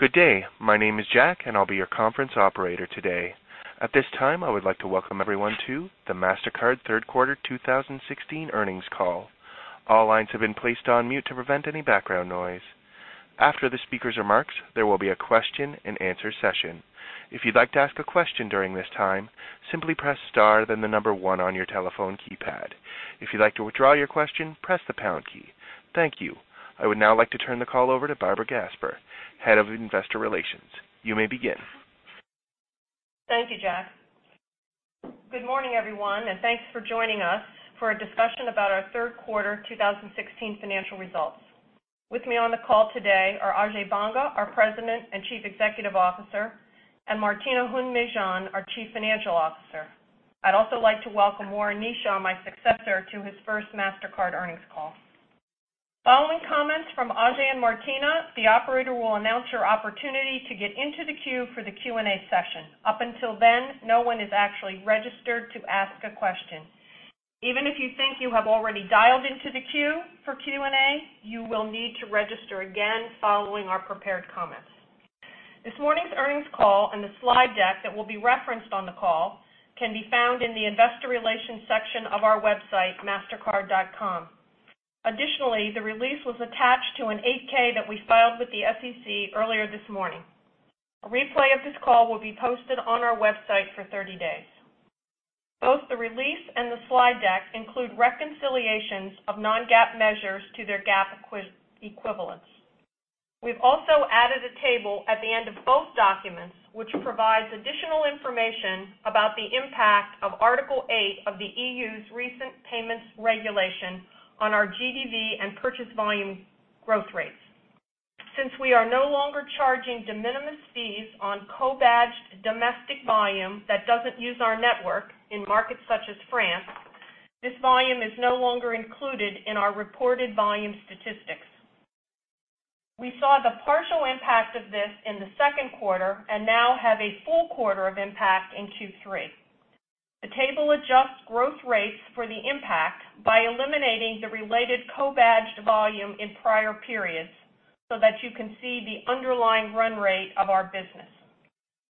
Good day. My name is Jack. I'll be your conference operator today. At this time, I would like to welcome everyone to the Mastercard Third Quarter 2016 earnings call. All lines have been placed on mute to prevent any background noise. After the speakers' remarks, there will be a question-and-answer session. If you'd like to ask a question during this time, simply press star then the number 1 on your telephone keypad. If you'd like to withdraw your question, press the pound key. Thank you. I would now like to turn the call over to Barbara Gasper, head of investor relations. You may begin. Thank you, Jack. Good morning, everyone. Thanks for joining us for a discussion about our third quarter 2016 financial results. With me on the call today are Ajay Banga, our President and Chief Executive Officer, and Martina Hund-Mejean, our Chief Financial Officer. I'd also like to welcome Warren Kneeshaw, my successor, to his first Mastercard earnings call. Following comments from Ajay and Martina, the operator will announce your opportunity to get into the queue for the Q&A session. Up until then, no one is actually registered to ask a question. Even if you think you have already dialed into the queue for Q&A, you will need to register again following our prepared comments. This morning's earnings call and the slide deck that will be referenced on the call can be found in the investor relations section of our website, mastercard.com. Additionally, the release was attached to an 8-K that we filed with the SEC earlier this morning. A replay of this call will be posted on our website for 30 days. Both the release and the slide deck include reconciliations of non-GAAP measures to their GAAP equivalents. We've also added a table at the end of both documents, which provides additional information about the impact of Article 8 of the EU's recent payments regulation on our GDV and purchase volume growth rates. Since we are no longer charging de minimis fees on co-badged domestic volume that doesn't use our network in markets such as France, this volume is no longer included in our reported volume statistics. We saw the partial impact of this in the second quarter and now have a full quarter of impact in Q3. The table adjusts growth rates for the impact by eliminating the related co-badged volume in prior periods so that you can see the underlying run rate of our business.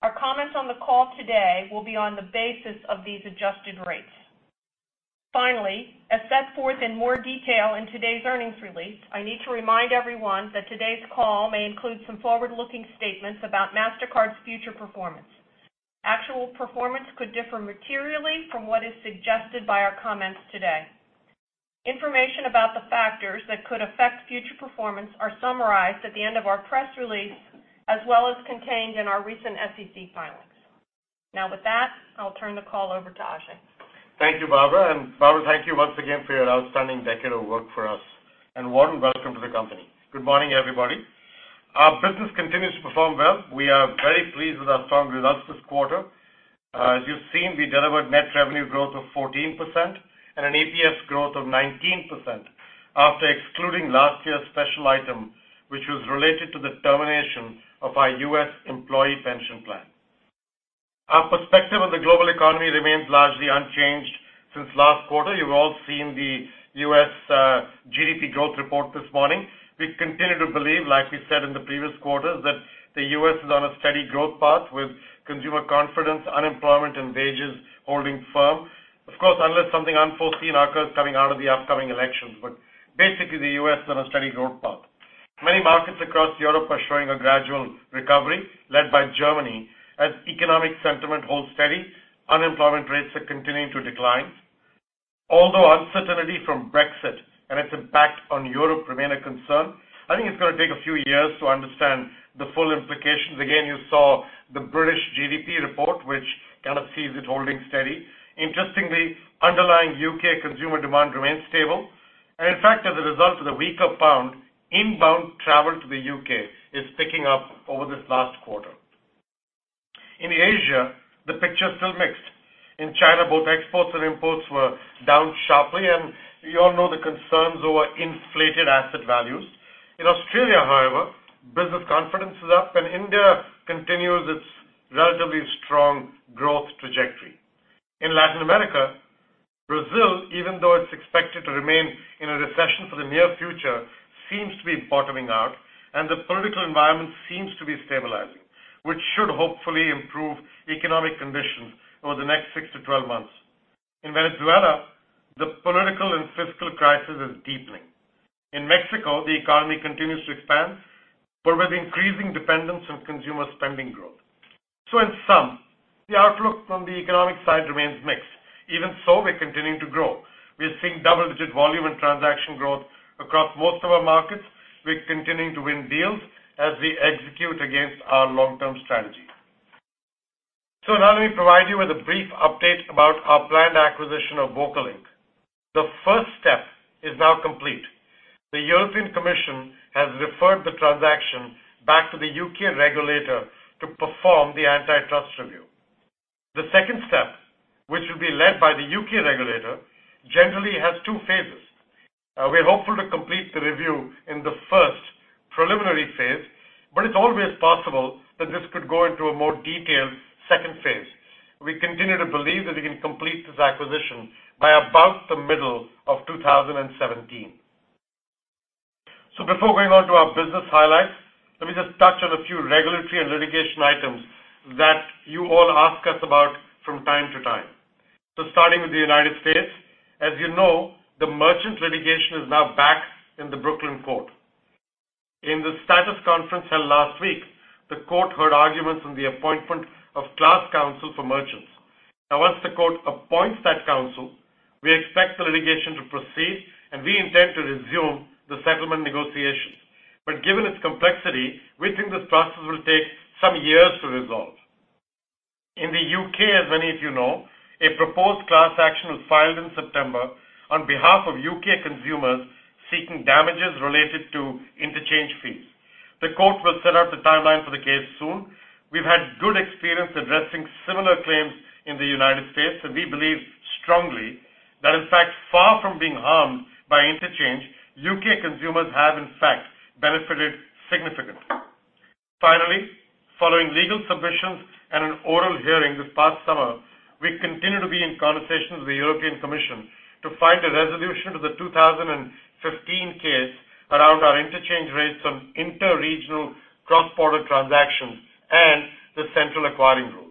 Our comments on the call today will be on the basis of these adjusted rates. Finally, as set forth in more detail in today's earnings release, I need to remind everyone that today's call may include some forward-looking statements about Mastercard's future performance. Actual performance could differ materially from what is suggested by our comments today. Information about the factors that could affect future performance are summarized at the end of our press release, as well as contained in our recent SEC filings. With that, I'll turn the call over to Ajay. Thank you, Barbara. Barbara, thank you once again for your outstanding decade of work for us. Warm welcome to the company. Good morning, everybody. Our business continues to perform well. We are very pleased with our strong results this quarter. As you've seen, we delivered net revenue growth of 14% and an EPS growth of 19% after excluding last year's special item, which was related to the termination of our U.S. employee pension plan. Our perspective of the global economy remains largely unchanged since last quarter. You've all seen the U.S. GDP growth report this morning. We continue to believe, as we said in the previous quarters, that the U.S. is on a steady growth path with consumer confidence, unemployment, and wages holding firm. Of course, unless something unforeseen occurs coming out of the upcoming elections. Basically, the U.S. is on a steady growth path. Many markets across Europe are showing a gradual recovery led by Germany as economic sentiment holds steady. Unemployment rates are continuing to decline. Although uncertainty from Brexit and its impact on Europe remain a concern, I think it's going to take a few years to understand the full implications. Again, you saw the British GDP report, which kind of sees it holding steady. Interestingly, underlying U.K. consumer demand remains stable. In fact, as a result of the weaker pound, inbound travel to the U.K. is picking up over this last quarter. In Asia, the picture is still mixed. In China, both exports and imports were down sharply, and you all know the concerns over inflated asset values. In Australia, however, business confidence is up, and India continues its relatively strong growth trajectory. In Latin America, Brazil, even though it's expected to remain in a recession for the near future, seems to be bottoming out, and the political environment seems to be stabilizing, which should hopefully improve economic conditions over the next six to 12 months. In Venezuela, the political and fiscal crisis is deepening. In Mexico, the economy continues to expand, but with increasing dependence on consumer spending growth. In sum, the outlook from the economic side remains mixed. Even so, we're continuing to grow. We're seeing double-digit volume and transaction growth across most of our markets. We're continuing to win deals as we execute against our long-term strategy. Now let me provide you with a brief update about our planned acquisition of VocaLink. The first step is now complete. The European Commission has referred the transaction back to the U.K. regulator to perform the antitrust review. The second step, which will be led by the U.K. regulator, generally has 2 phases. We're hopeful to complete the review in the first preliminary phase, but it's always possible that this could go into a more detailed second phase. We continue to believe that we can complete this acquisition by about the middle of 2017. Before going on to our business highlights, let me just touch on a few regulatory and litigation items that you all ask us about from time to time. Starting with the United States, as you know, the merchant litigation is now back in the Brooklyn Court. In the status conference held last week, the court heard arguments on the appointment of class counsel for merchants. Now once the court appoints that counsel, we expect the litigation to proceed, and we intend to resume the settlement negotiations. Given its complexity, we think this process will take some years to resolve. In the U.K., as many of you know, a proposed class action was filed in September on behalf of U.K. consumers seeking damages related to interchange fees. The court will set out the timeline for the case soon. We've had good experience addressing similar claims in the U.S., and we believe strongly that in fact, far from being harmed by interchange, U.K. consumers have in fact benefited significantly. Finally, following legal submissions and an oral hearing this past summer, we continue to be in conversations with the European Commission to find a resolution to the 2015 case around our interchange rates on inter-regional cross-border transactions and the central acquiring rules.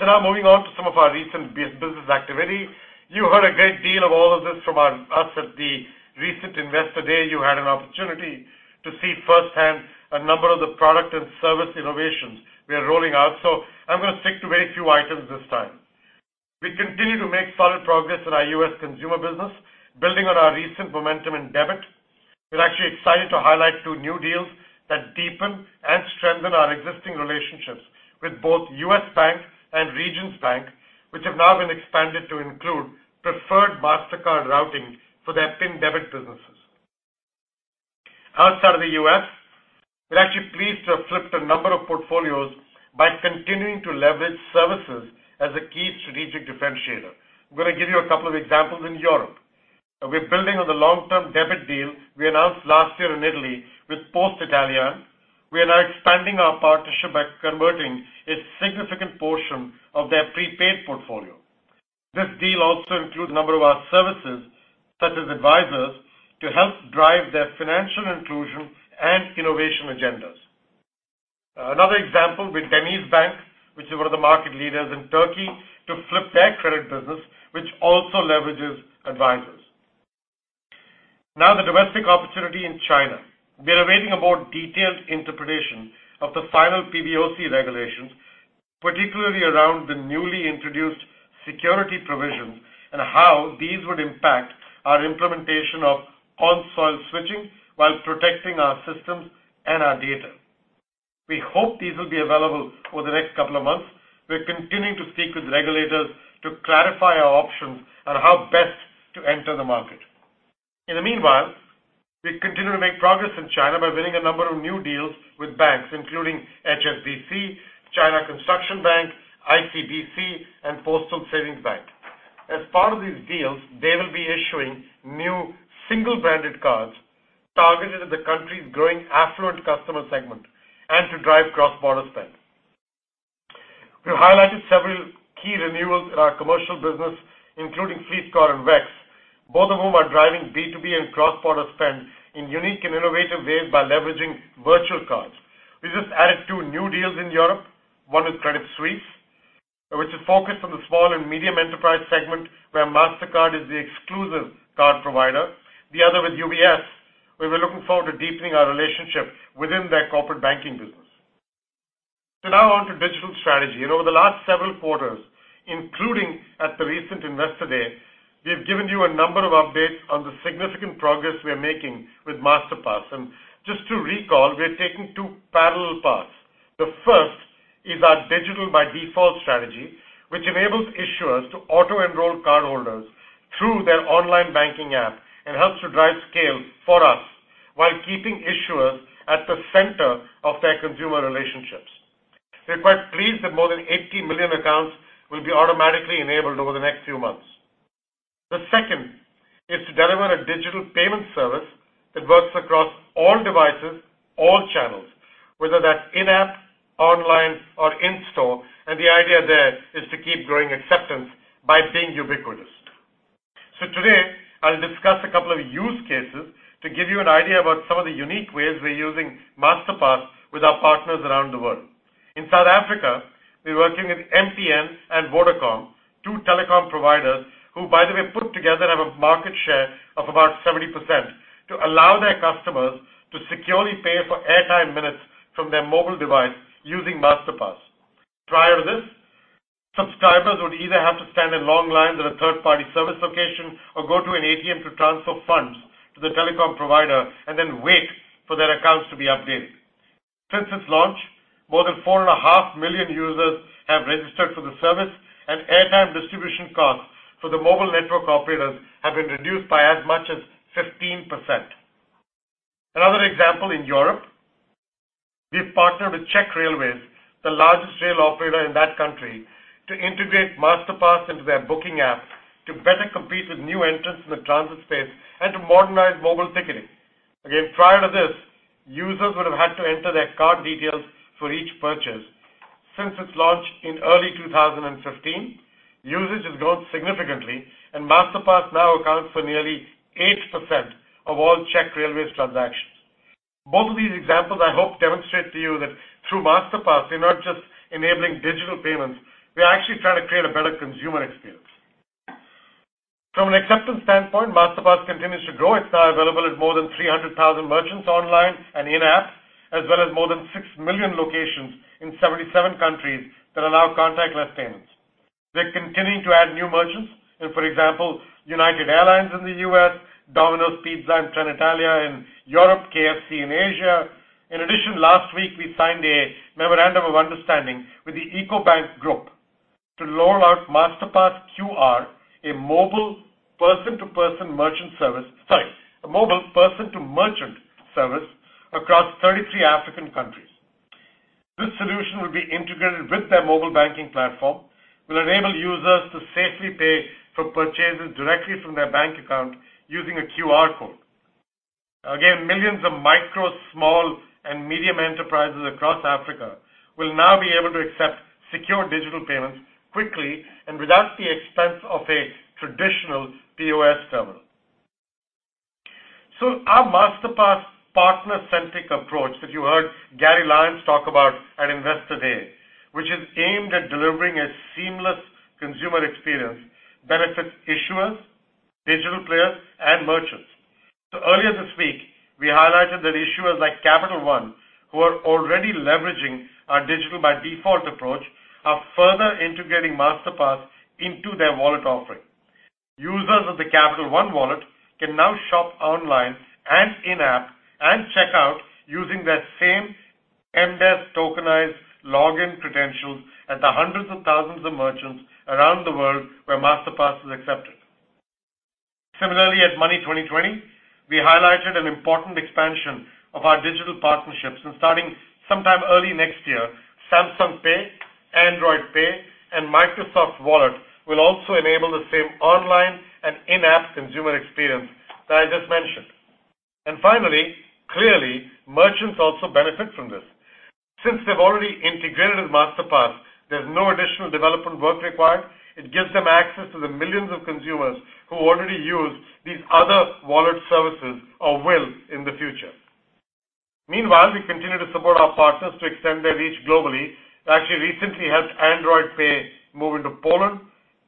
Now moving on to some of our recent business activity. You heard a great deal of all of this from us at the recent Investor Day. You had an opportunity to see firsthand a number of the product and service innovations we are rolling out. I'm going to stick to very few items this time. We continue to make solid progress in our U.S. consumer business, building on our recent momentum in debit. We're actually excited to highlight two new deals that deepen and strengthen our existing relationships with both U.S. Bank and Regions Bank, which have now been expanded to include preferred Mastercard routing for their PIN debit businesses. Outside of the U.S., we're actually pleased to have flipped a number of portfolios by continuing to leverage services as a key strategic differentiator. I'm going to give you a couple of examples in Europe. We're building on the long-term debit deal we announced last year in Italy with Poste Italiane. We are now expanding our partnership by converting a significant portion of their prepaid portfolio. This deal also includes a number of our services, such as Advisors, to help drive their financial inclusion and innovation agendas. Another example with DenizBank, which is one of the market leaders in Turkey, to flip their credit business, which also leverages Advisors. The domestic opportunity in China. We are awaiting a more detailed interpretation of the final PBOC regulations, particularly around the newly introduced security provisions and how these would impact our implementation of on-soil switching while protecting our systems and our data. We hope these will be available over the next couple of months. We're continuing to speak with regulators to clarify our options on how best to enter the market. Meanwhile, we continue to make progress in China by winning a number of new deals with banks including HSBC, China Construction Bank, ICBC, and Postal Savings Bank. As part of these deals, they will be issuing new single-branded cards targeted at the country's growing affluent customer segment and to drive cross-border spend. We've highlighted several key renewals in our commercial business, including FleetCor and WEX, both of whom are driving B2B and cross-border spend in unique and innovative ways by leveraging virtual cards. We just added two new deals in Europe, one with Credit Suisse, which is focused on the small and medium enterprise segment where Mastercard is the exclusive card provider. The other with UBS, where we're looking forward to deepening our relationship within their corporate banking business. Now on to digital strategy. Over the last several quarters, including at the recent Investor Day, we've given you a number of updates on the significant progress we are making with Masterpass. Just to recall, we are taking two parallel paths. The first is our digital by default strategy, which enables issuers to auto-enroll cardholders through their online banking app and helps to drive scale for us while keeping issuers at the center of their consumer relationships. We're quite pleased that more than 80 million accounts will be automatically enabled over the next few months. The second is to deliver a digital payment service that works across all devices, all channels, whether that's in-app, online, or in-store, the idea there is to keep growing acceptance by being ubiquitous. Today, I'll discuss a couple of use cases to give you an idea about some of the unique ways we're using Masterpass with our partners around the world. In South Africa, we're working with MTN and Vodacom, two telecom providers, who by the way put together have a market share of about 70%, to allow their customers to securely pay for airtime minutes from their mobile device using Masterpass. Prior to this, subscribers would either have to stand in long lines at a third-party service location or go to an ATM to transfer funds to the telecom provider and then wait for their accounts to be updated. Since its launch, more than four and a half million users have registered for the service, and airtime distribution costs for the mobile network operators have been reduced by as much as 15%. Another example in Europe, we partnered with Czech Railways, the largest rail operator in that country, to integrate Masterpass into their booking app to better compete with new entrants in the transit space and to modernize mobile ticketing. Again, prior to this, users would have had to enter their card details for each purchase. Since its launch in early 2015, usage has grown significantly, and Masterpass now accounts for nearly 8% of all Czech Railways transactions. Both of these examples, I hope, demonstrate to you that through Masterpass, we're not just enabling digital payments; we are actually trying to create a better consumer experience. From an acceptance standpoint, Masterpass continues to grow. It's now available at more than 300,000 merchants online and in-app, as well as more than six million locations in 77 countries that allow contactless payments. We're continuing to add new merchants. For example, United Airlines in the U.S., Domino's Pizza and Trenitalia in Europe, KFC in Asia. In addition, last week, we signed a memorandum of understanding with the Ecobank group to roll out Masterpass QR, a mobile person-to-merchant service across 33 African countries. This solution will be integrated with their mobile banking platform, will enable users to safely pay for purchases directly from their bank account using a QR code. Again, millions of micro, small, and medium enterprises across Africa will now be able to accept secure digital payments quickly and without the expense of a traditional POS terminal. Our Masterpass partner-centric approach that you heard Garry Lyons talk about at Investor Day, which is aimed at delivering a seamless consumer experience, benefits issuers, digital players, and merchants. Earlier this week, we highlighted that issuers like Capital One, who are already leveraging our digital-by-default approach, are further integrating Masterpass into their wallet offering. Users of the Capital One wallet can now shop online and in-app and check out using their same MDES tokenized login credentials at the hundreds of thousands of merchants around the world where Masterpass is accepted. Similarly, at Money20/20, we highlighted an important expansion of our digital partnerships and starting sometime early next year, Samsung Pay, Android Pay, and Microsoft Wallet will also enable the same online and in-app consumer experience that I just mentioned. Finally, clearly, merchants also benefit from this. Since they've already integrated with Masterpass, there's no additional development work required. It gives them access to the millions of consumers who already use these other wallet services or will in the future. Meanwhile, we continue to support our partners to extend their reach globally. We actually recently helped Android Pay move into Poland.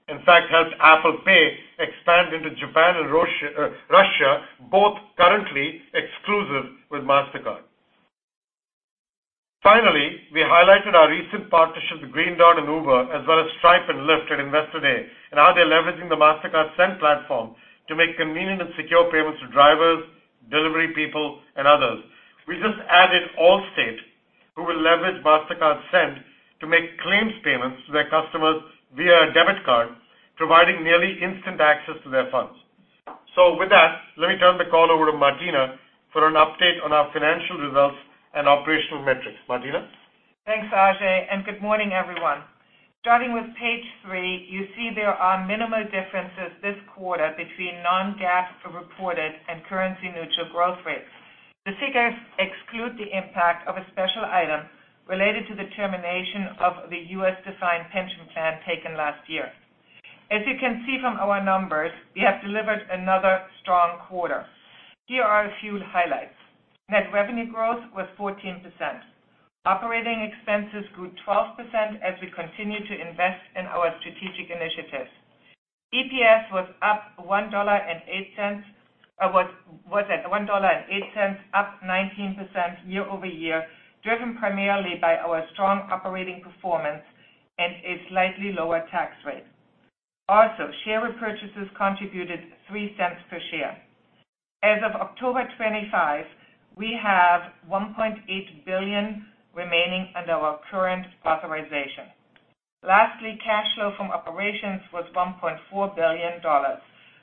In fact, helped Apple Pay expand into Japan and Russia, both currently exclusive with Mastercard. Finally, we highlighted our recent partnership with Green Dot and Uber, as well as Stripe and Lyft at Investor Day, and how they're leveraging the Mastercard Send platform to make convenient and secure payments to drivers, delivery people, and others. We just added Allstate, who will leverage Mastercard Send to make claims payments to their customers via a debit card, providing nearly instant access to their funds. With that, let me turn the call over to Martina for an update on our financial results and operational metrics. Martina? Thanks, Ajay, and good morning, everyone. Starting with page three, you see there are minimal differences this quarter between non-GAAP reported and currency-neutral growth rates. The figures exclude the impact of a special item related to the termination of the U.S.-defined pension plan taken last year. As you can see from our numbers, we have delivered another strong quarter. Here are a few highlights. Net revenue growth was 14%. Operating expenses grew 12% as we continue to invest in our strategic initiatives. EPS was at $1.08, up 19% year-over-year, driven primarily by our strong operating performance and a slightly lower tax rate. Also, share repurchases contributed $0.03 per share. As of October 25, we have $1.8 billion remaining under our current authorization. Lastly, cash flow from operations was $1.4 billion.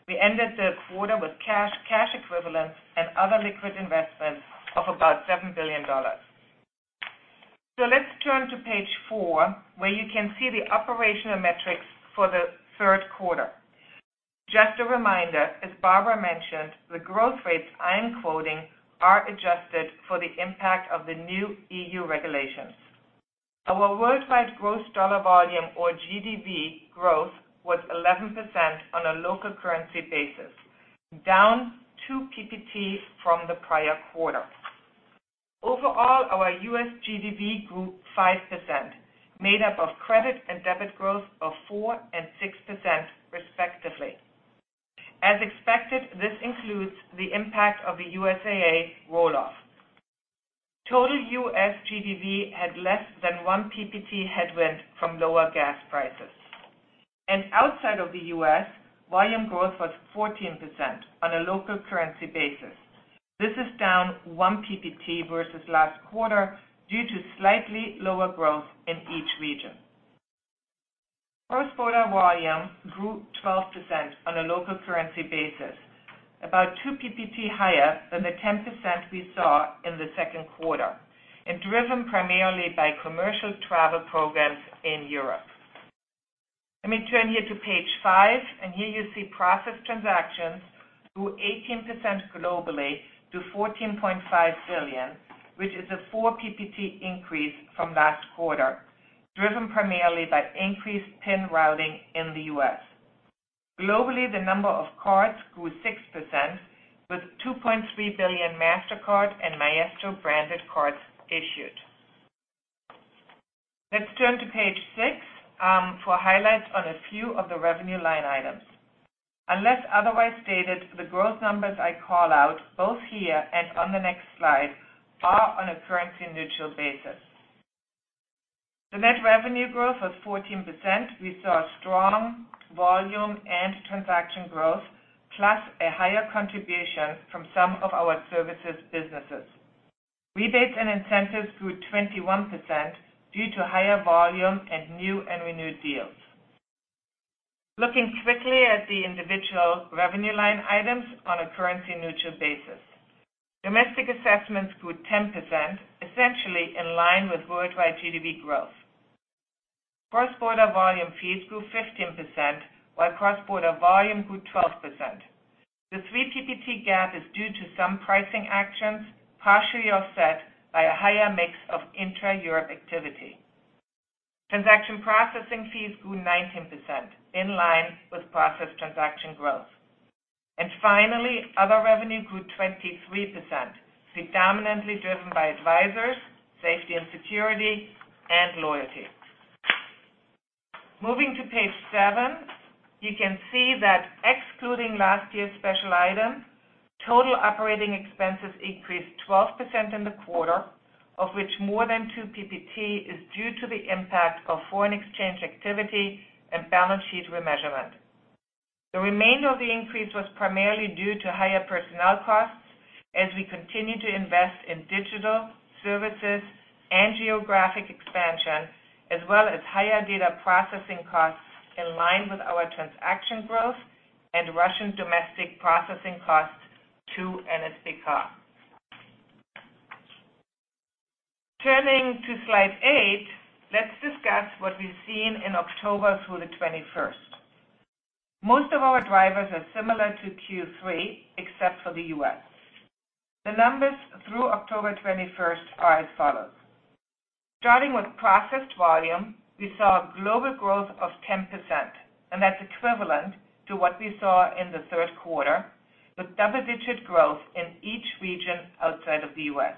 We ended the quarter with cash equivalents and other liquid investments of about $7 billion. Let's turn to page four, where you can see the operational metrics for the third quarter. Just a reminder, as Barbara mentioned, the growth rates I'm quoting are adjusted for the impact of the new EU regulations. Our worldwide gross dollar volume or GDV growth was 11% on a local currency basis, down two PPT from the prior quarter. Overall, our U.S. GDV grew 5%, made up of credit and debit growth of 4% and 6%, respectively. As expected, this includes the impact of the USAA roll-off. Total U.S. GDV had less than one PPT headwind from lower gas prices. Outside of the U.S., volume growth was 14% on a local currency basis. This is down one PPT versus last quarter due to slightly lower growth in each region. Cross-border volume grew 12% on a local currency basis, about two PPT higher than the 10% we saw in the second quarter, driven primarily by commercial travel programs in Europe. Let me turn here to page five. Here you see processed transactions grew 18% globally to 14.5 billion, which is a four PPT increase from last quarter, driven primarily by increased PIN routing in the U.S. Globally, the number of cards grew 6%, with 2.3 billion Mastercard and Maestro branded cards issued. Let's turn to page six for highlights on a few of the revenue line items. Unless otherwise stated, the growth numbers I call out both here and on the next slide are on a currency-neutral basis. The net revenue growth was 14%. We saw strong volume and transaction growth, plus a higher contribution from some of our services businesses. Rebates and incentives grew 21% due to higher volume and new and renewed deals. Looking quickly at the individual revenue line items on a currency-neutral basis. Domestic assessments grew 10%, essentially in line with worldwide GDP growth. Cross-border volume fees grew 15%, while cross-border volume grew 12%. The three PPT gap is due to some pricing actions, partially offset by a higher mix of intra-Europe activity. Transaction processing fees grew 19%, in line with processed transaction growth. Other revenue grew 23%, predominantly driven by Advisors, safety and security, and loyalty. Moving to page seven, you can see that excluding last year's special item, total operating expenses increased 12% in the quarter, of which more than two PPT is due to the impact of foreign exchange activity and balance sheet remeasurement. The remainder of the increase was primarily due to higher personnel costs as we continue to invest in digital services and geographic expansion, as well as higher data processing costs in line with our transaction growth and Russian domestic processing costs to NSPK. Turning to slide eight, let's discuss what we've seen in October through the 21st. Most of our drivers are similar to Q3, except for the U.S. The numbers through October 21st are as follows. Starting with processed volume, we saw a global growth of 10%, that's equivalent to what we saw in the third quarter, with double-digit growth in each region outside of the U.S.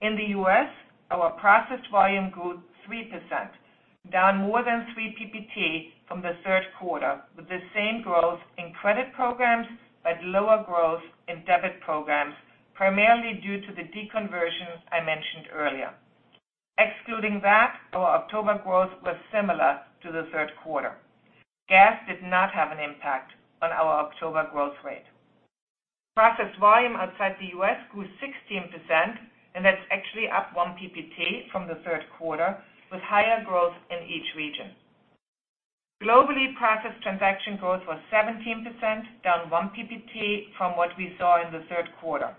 In the U.S., our processed volume grew 3%, down more than three PPT from the third quarter, with the same growth in credit programs but lower growth in debit programs, primarily due to the deconversion I mentioned earlier. Excluding that, our October growth was similar to the third quarter. GAS did not have an impact on our October growth rate. Processed volume outside the U.S. grew 16%, that's actually up one PPT from the third quarter, with higher growth in each region. Globally, processed transaction growth was 17%, down one PPT from what we saw in the third quarter.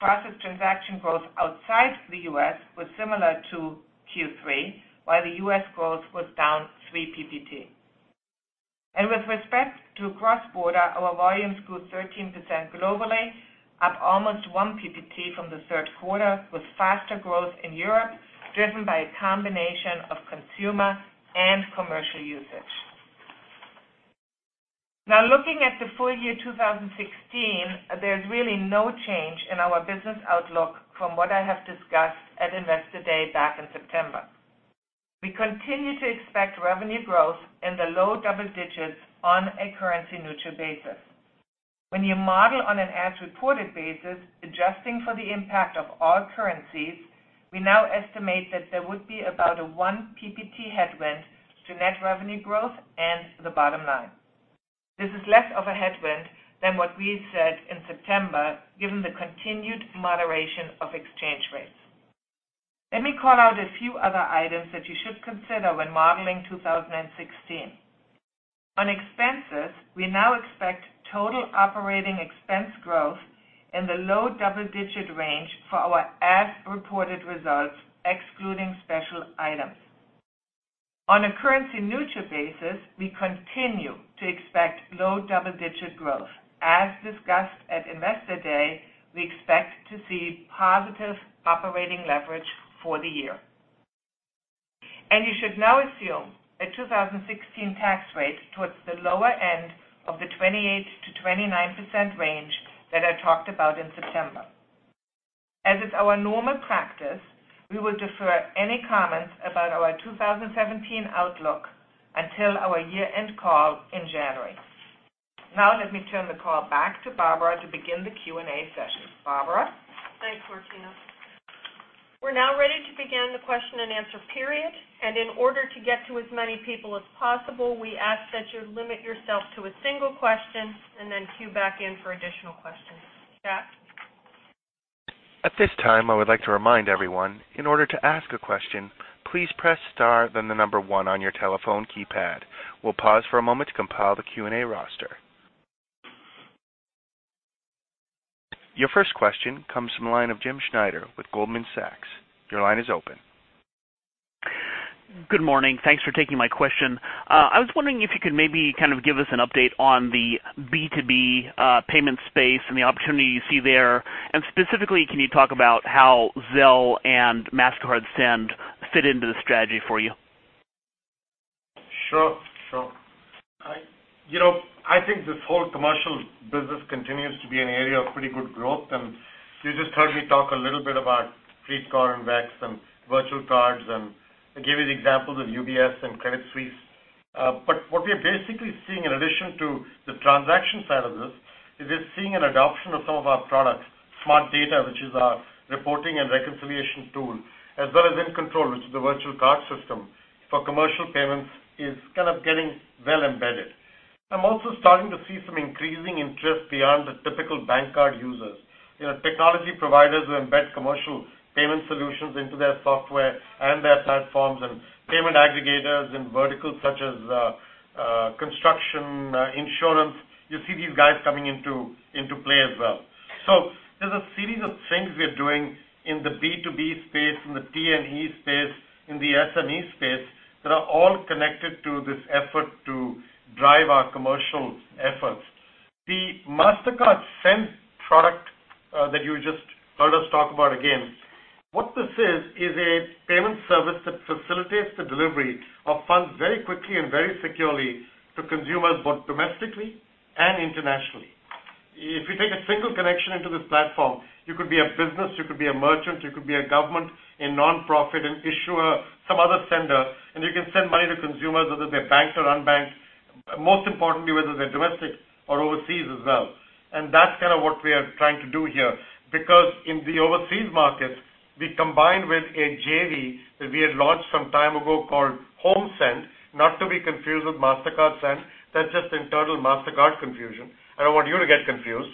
Processed transaction growth outside the U.S. was similar to Q3, while the U.S. growth was down three PPT. With respect to cross-border, our volumes grew 13% globally, up almost one PPT from the third quarter, with faster growth in Europe, driven by a combination of consumer and commercial usage. Looking at the full year 2016, there's really no change in our business outlook from what I have discussed at Investor Day back in September. We continue to expect revenue growth in the low double digits on a currency-neutral basis. When you model on an as-reported basis, adjusting for the impact of all currencies, we now estimate that there would be about a one PPT headwind to net revenue growth and to the bottom line. This is less of a headwind than what we said in September given the continued moderation of exchange rates. Let me call out a few other items that you should consider when modeling 2016. On expenses, we now expect total operating expense growth in the low double-digit range for our as-reported results, excluding special items. On a currency-neutral basis, we continue to expect low double-digit growth. As discussed at Investor Day, we expect to see positive operating leverage for the year. You should now assume a 2016 tax rate towards the lower end of the 28%-29% range that I talked about in September. As is our normal practice, we will defer any comments about our 2017 outlook until our year-end call in January. Let me turn the call back to Barbara to begin the Q&A session. Barbara? Thanks, Martina. We're now ready to begin the question-and-answer period, in order to get to as many people as possible, we ask that you limit yourself to a single question and then queue back in for additional questions. Jack? At this time, I would like to remind everyone, in order to ask a question, please press star then the number one on your telephone keypad. We'll pause for a moment to compile the Q&A roster. Your first question comes from the line of Jim Schneider with Goldman Sachs. Your line is open. Good morning. Thanks for taking my question. I was wondering if you could maybe give us an update on the B2B payment space and the opportunity you see there. Specifically, can you talk about how Zelle and Mastercard Send fit into the strategy for you? Sure. I think this whole commercial business continues to be an area of pretty good growth. You just heard me talk a little bit about prepaid card and WEX and virtual cards, and I gave you the examples of UBS and Credit Suisse. What we're basically seeing in addition to the transaction side of this is we're seeing an adoption of some of our products, Smart Data, which is our reporting and reconciliation tool, as well as In Control, which is the virtual card system for commercial payments, is kind of getting well embedded. I'm also starting to see some increasing interest beyond the typical bank card users. Technology providers who embed commercial payment solutions into their software and their platforms and payment aggregators and verticals such as construction, insurance. You see these guys coming into play as well. There's a series of things we are doing in the B2B space, in the T&E space, in the SME space, that are all connected to this effort to drive our commercial efforts. The Mastercard Send product that you just heard us talk about again, what this is a payment service that facilitates the delivery of funds very quickly and very securely to consumers, both domestically and internationally. If you take a single connection into this platform, you could be a business, you could be a merchant, you could be a government, a nonprofit, an issuer, some other sender, and you can send money to consumers, whether they're banked or unbanked, most importantly, whether they're domestic or overseas as well. That's kind of what we are trying to do here. In the overseas markets, we combine with a JV that we had launched some time ago called HomeSend, not to be confused with Mastercard Send. That's just internal Mastercard confusion. I don't want you to get confused.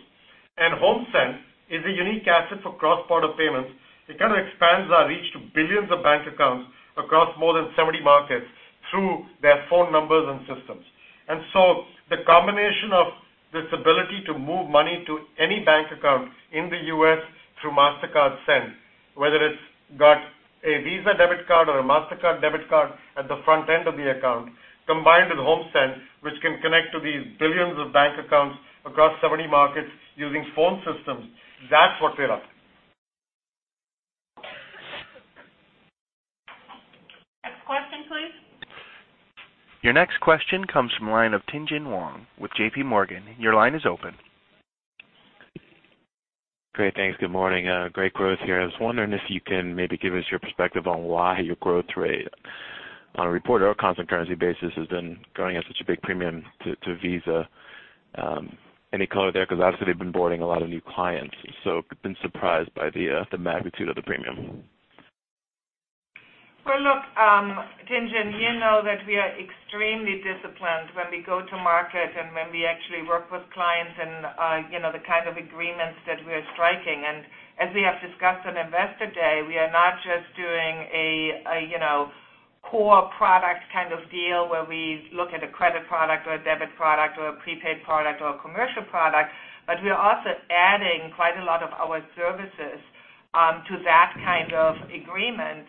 HomeSend is a unique asset for cross-border payments. It kind of expands our reach to billions of bank accounts across more than 70 markets through their phone numbers and systems. The combination of this ability to move money to any bank account in the U.S. through Mastercard Send, whether it's got a Visa debit card or a Mastercard debit card at the front end of the account, combined with HomeSend, which can connect to these billions of bank accounts across 70 markets using phone systems, that's what we're up to. Next question, please. Your next question comes from the line of Tien-tsin Huang with JPMorgan. Your line is open. Great, thanks. Good morning. Great growth here. I was wondering if you can maybe give us your perspective on why your growth rate on a reported or constant currency basis has been growing at such a big premium to Visa. Any color there? Because obviously they've been boarding a lot of new clients, been surprised by the magnitude of the premium. Well, look, Tien-tsin, you know that we are extremely disciplined when we go to market and when we actually work with clients and the kind of agreements that we're striking. As we have discussed on Investor Day, we are not just doing a core product kind of deal where we look at a credit product or a debit product or a prepaid product or a commercial product, but we are also adding quite a lot of our services to that kind of agreement.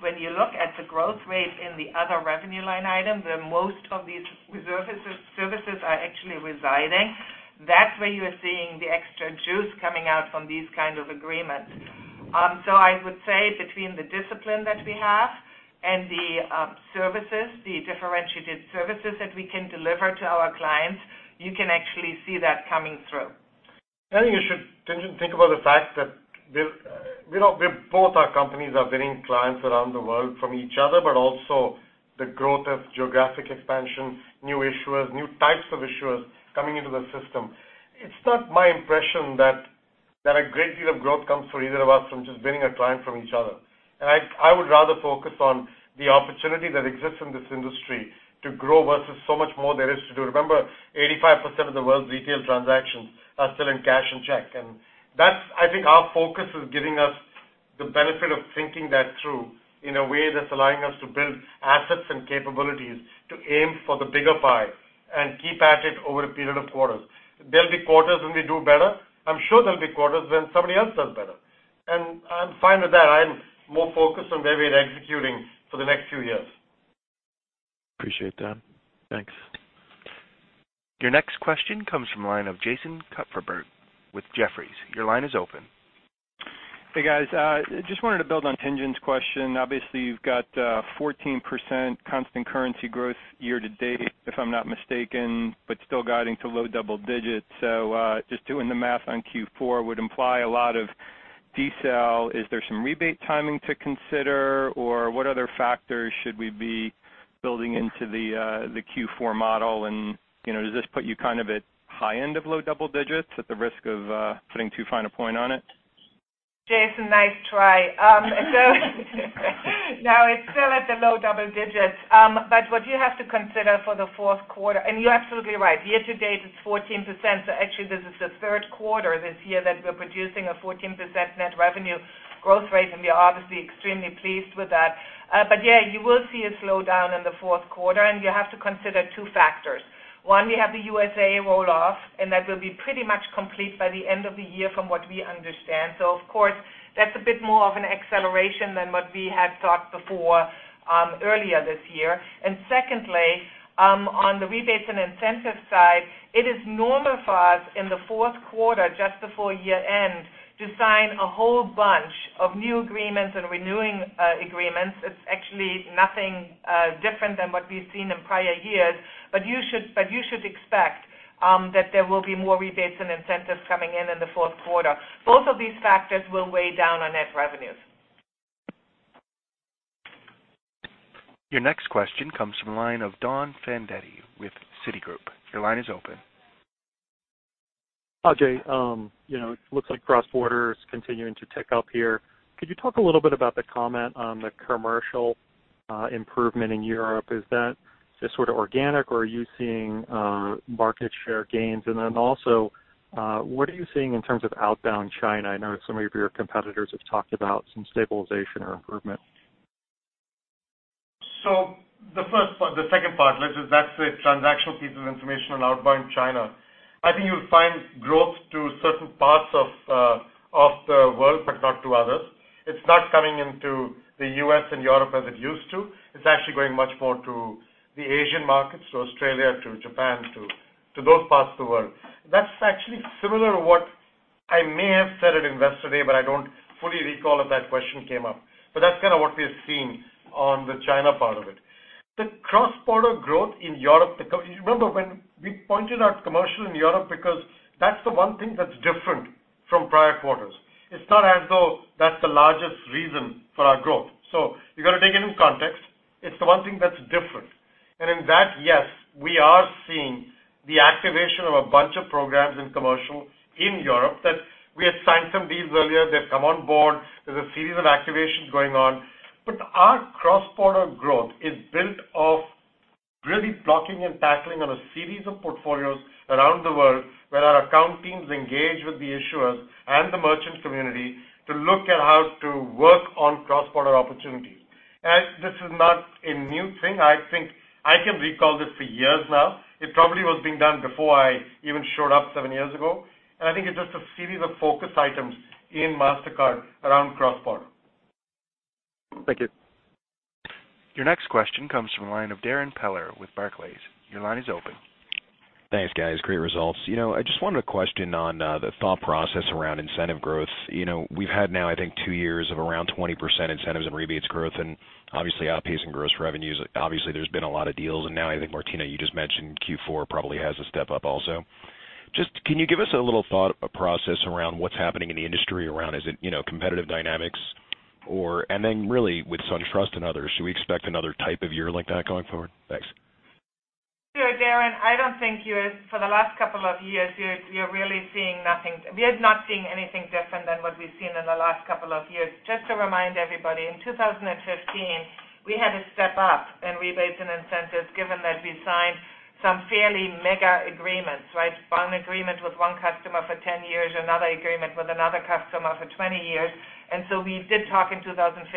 When you look at the growth rate in the other revenue line items, where most of these services are actually residing, that's where you are seeing the extra juice coming out from these kind of agreements. I would say between the discipline that we have and the services, the differentiated services that we can deliver to our clients, you can actually see that coming through. I think you should, Tien-tsin, think about the fact that both our companies are winning clients around the world from each other, but also the growth of geographic expansion, new issuers, new types of issuers coming into the system. It's not my impression that a great deal of growth comes for either of us from just winning a client from each other. I would rather focus on the opportunity that exists in this industry to grow versus so much more there is to do. Remember, 85% of the world's retail transactions are still in cash and check. That's, I think our focus is giving us the benefit of thinking that through in a way that's allowing us to build assets and capabilities to aim for the bigger pie and keep at it over a period of quarters. There'll be quarters when we do better. I'm sure there'll be quarters when somebody else does better, I'm fine with that. I am more focused on where we're executing for the next few years. Appreciate that. Thanks. Your next question comes from the line of Jason Kupferberg with Jefferies. Your line is open. Hey, guys. Just wanted to build on Tien-tsin's question. Obviously, you've got 14% constant currency growth year to date, if I'm not mistaken, still guiding to low double digits. Just doing the math on Q4 would imply a lot of decel. Is there some rebate timing to consider, or what other factors should we be building into the Q4 model? Does this put you kind of at high end of low double digits at the risk of putting too fine a point on it? Jason, nice try. No, it's still at the low double digits. What you have to consider for the fourth quarter, and you're absolutely right, year-to-date it's 14%. Actually this is the third quarter this year that we're producing a 14% net revenue growth rate, and we are obviously extremely pleased with that. Yeah, you will see a slowdown in the fourth quarter, and you have to consider two factors. One, we have the USAA roll-off, and that will be pretty much complete by the end of the year from what we understand. Of course, that's a bit more of an acceleration than what we had thought before earlier this year. Secondly, on the rebates and incentives side, it is normal for us in the fourth quarter, just before year-end, to sign a whole bunch of new agreements and renewing agreements. It's actually nothing different than what we've seen in prior years, you should expect that there will be more rebates and incentives coming in the fourth quarter. Both of these factors will weigh down on net revenues. Your next question comes from the line of Don Fandetti with Citigroup. Your line is open. Hi, Ajay. It looks like cross-border is continuing to tick up here. Could you talk a little bit about the comment on the commercial improvement in Europe? Is that just sort of organic, or are you seeing market share gains? Then also, what are you seeing in terms of outbound China? I know some of your competitors have talked about some stabilization or improvement. The second part, which is that transactional piece of information on outbound China. I think you'll find growth to certain parts of the world, but not to others. It's not coming into the U.S. and Europe as it used to. It's actually going much more to the Asian markets, to Australia, to Japan, to those parts of the world. That's actually similar to what I may have said at Investor Day, but I don't fully recall if that question came up. That's kind of what we have seen on the China part of it. The cross-border growth in Europe, remember when we pointed out commercial in Europe because that's the one thing that's different from prior quarters. It's not as though that's the largest reason for our growth. You've got to take it in context. It's the one thing that's different. In that, yes, we are seeing the activation of a bunch of programs in commercial in Europe that we had signed some deals earlier. They've come on board. There's a series of activations going on. Our cross-border growth is built off really blocking and tackling on a series of portfolios around the world where our account teams engage with the issuers and the merchant community to look at how to work on cross-border opportunities. This is not a new thing. I think I can recall this for years now. It probably was being done before I even showed up seven years ago. I think it's just a series of focus items in Mastercard around cross-border. Thank you. Your next question comes from the line of Darrin Peller with Barclays. Your line is open. Thanks, guys. Great results. I just wanted a question on the thought process around incentive growth. We've had now, I think, two years of around 20% incentives and rebates growth and obviously outpacing gross revenues. Obviously, there's been a lot of deals. Now I think, Martina, you just mentioned Q4 probably has a step-up also. Just can you give us a little thought process around what's happening in the industry around is it competitive dynamics? Then really with SunTrust and others, should we expect another type of year like that going forward? Thanks. Sure, Darrin. I don't think for the last couple of years, we are not seeing anything different than what we've seen in the last couple of years. Just to remind everybody, in 2015, we had a step-up in rebates and incentives, given that we signed some fairly mega agreements, right? One agreement with one customer for 10 years, another agreement with another customer for 20 years. So we did talk in 2015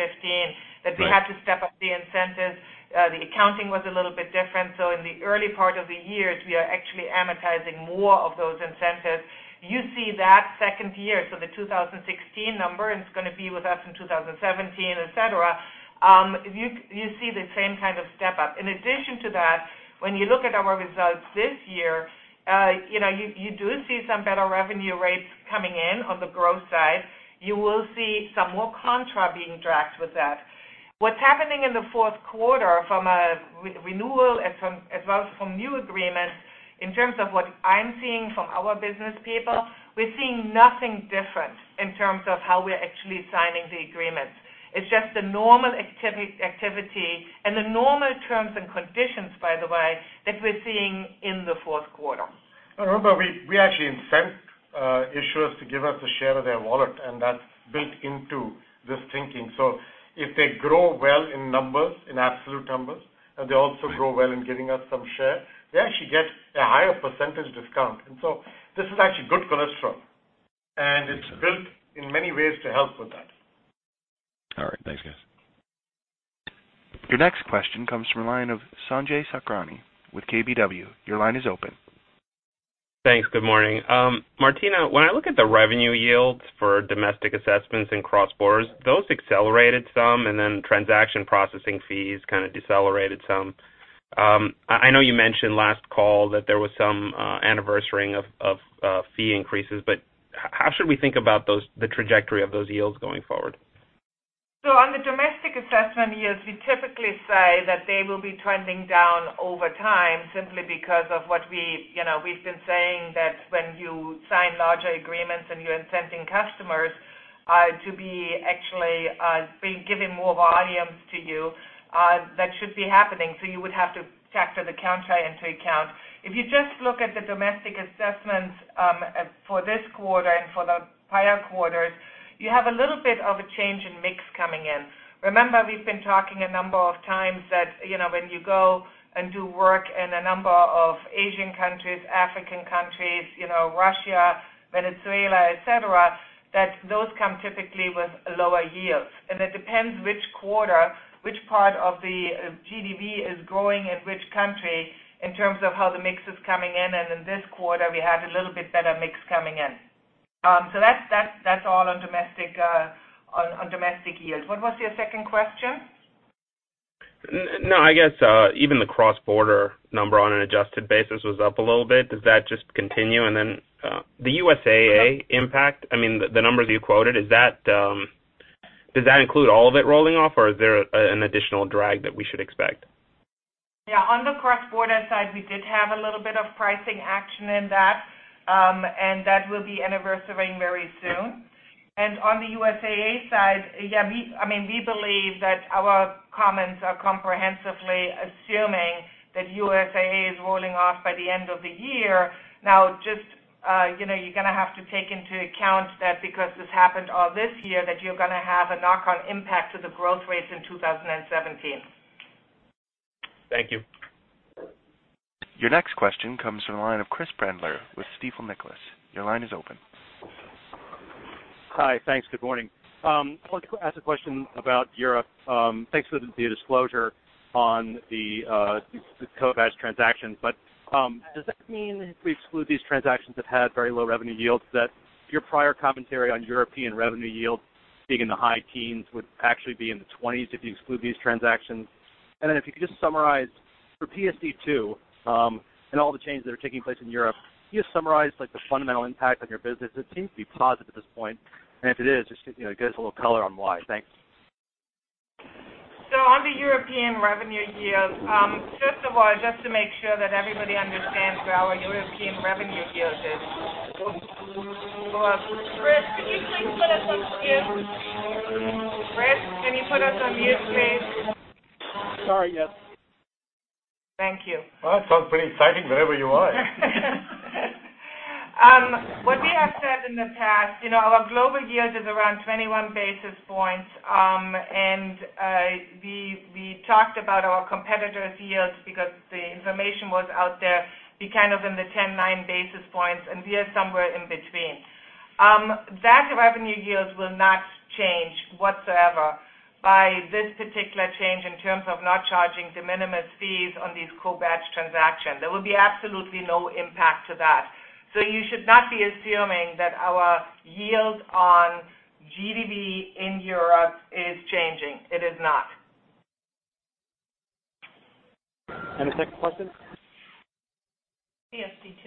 that we had to step up the incentives. The accounting was a little bit different. So in the early part of the years, we are actually amortizing more of those incentives. You see that second year. So the 2016 number is going to be with us in 2017, et cetera. You see the same kind of step-up. In addition to that, when you look at our results this year, you do see some better revenue rates coming in on the growth side. You will see some more contra being dragged with that. What is happening in the fourth quarter from a renewal as well as from new agreements, in terms of what I am seeing from our business people, we are seeing nothing different in terms of how we are actually signing the agreements. It is just the normal activity and the normal terms and conditions, by the way, that we are seeing in the fourth quarter. Remember, we actually incent issuers to give us a share of their wallet, and that is built into this thinking. If they grow well in absolute numbers and they also grow well in giving us some share, they actually get a higher percentage discount. This is actually good for us from. It is built in many ways to help with that. All right. Thanks, guys. Your next question comes from the line of Sanjay Sakhrani with KBW. Your line is open. Thanks. Good morning. Martina, when I look at the revenue yields for domestic assessments and cross-borders, those accelerated some. Then transaction processing fees kind of decelerated some. I know you mentioned last call that there was some anniversarying of fee increases. How should we think about the trajectory of those yields going forward? On the domestic assessment yields, we typically say that they will be trending down over time simply because of what we've been saying that when you sign larger agreements and you're incenting customers to be actually giving more volumes to you, that should be happening. You would have to factor the counter into account. If you just look at the domestic assessments for this quarter and for the prior quarters. You have a little bit of a change in mix coming in. Remember, we've been talking a number of times that when you go and do work in a number of Asian countries, African countries, Russia, Venezuela, et cetera, that those come typically with lower yields. It depends which quarter, which part of the GDP is growing in which country in terms of how the mix is coming in. In this quarter, we had a little bit better mix coming in. That's all on domestic yields. What was your second question? No, I guess even the cross-border number on an adjusted basis was up a little bit. Does that just continue? Then the USAA impact, the numbers you quoted, does that include all of it rolling off, or is there an additional drag that we should expect? Yeah, on the cross-border side, we did have a little bit of pricing action in that. That will be anniversarying very soon. On the USAA side, we believe that our comments are comprehensively assuming that USAA is rolling off by the end of the year. You're going to have to take into account that because this happened all this year, that you're going to have a knock-on impact to the growth rates in 2017. Thank you. Your next question comes from the line of Chris Brendler with Stifel Nicolaus. Your line is open. Hi. Thanks. Good morning. I wanted to ask a question about Europe. Thanks for the disclosure on the co-badge transactions. Does that mean if we exclude these transactions that had very low revenue yields, that your prior commentary on European revenue yield being in the high teens would actually be in the 20s if you exclude these transactions? If you could just summarize for PSD2 and all the changes that are taking place in Europe, can you just summarize the fundamental impact on your business? It seems to be positive at this point, and if it is, just give us a little color on why. Thanks. On the European revenue yield, first of all, just to make sure that everybody understands where our European revenue yield is. Chris, can you please put us on mute? Chris, can you put us on mute, please? Sorry, yes. Thank you. Well, it sounds pretty exciting wherever you are. What we have said in the past, our global yield is around 21 basis points. We talked about our competitors' yields because the information was out there be kind of in the 10, nine basis points, and we are somewhere in between. That revenue yields will not change whatsoever by this particular change in terms of not charging de minimis fees on these co-badge transactions. There will be absolutely no impact to that. You should not be assuming that our yield on GDP in Europe is changing. It is not. The second question? PSD2.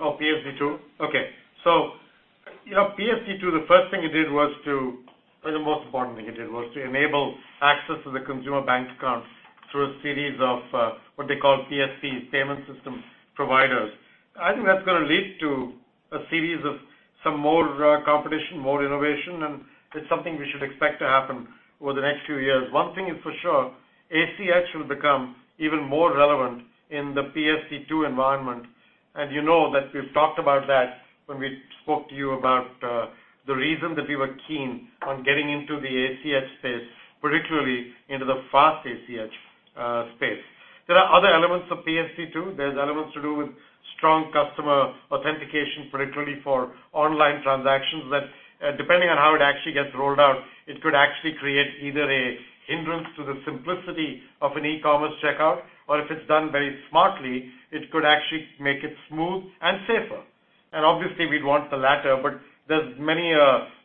PSD2. PSD2, the first thing it did or the most important thing it did was to enable access to the consumer bank accounts through a series of what they call PSPs, Payment Service Providers. I think that's going to lead to a series of some more competition, more innovation, and it's something we should expect to happen over the next few years. One thing is for sure, ACH will become even more relevant in the PSD2 environment. You know that we've talked about that when we spoke to you about the reason that we were keen on getting into the ACH space, particularly into the fast ACH space. There are other elements of PSD2. There's elements to do with strong customer authentication, particularly for online transactions, that depending on how it actually gets rolled out, it could actually create either a hindrance to the simplicity of an e-commerce checkout, or if it's done very smartly, it could actually make it smooth and safer. Obviously, we'd want the latter, but there's many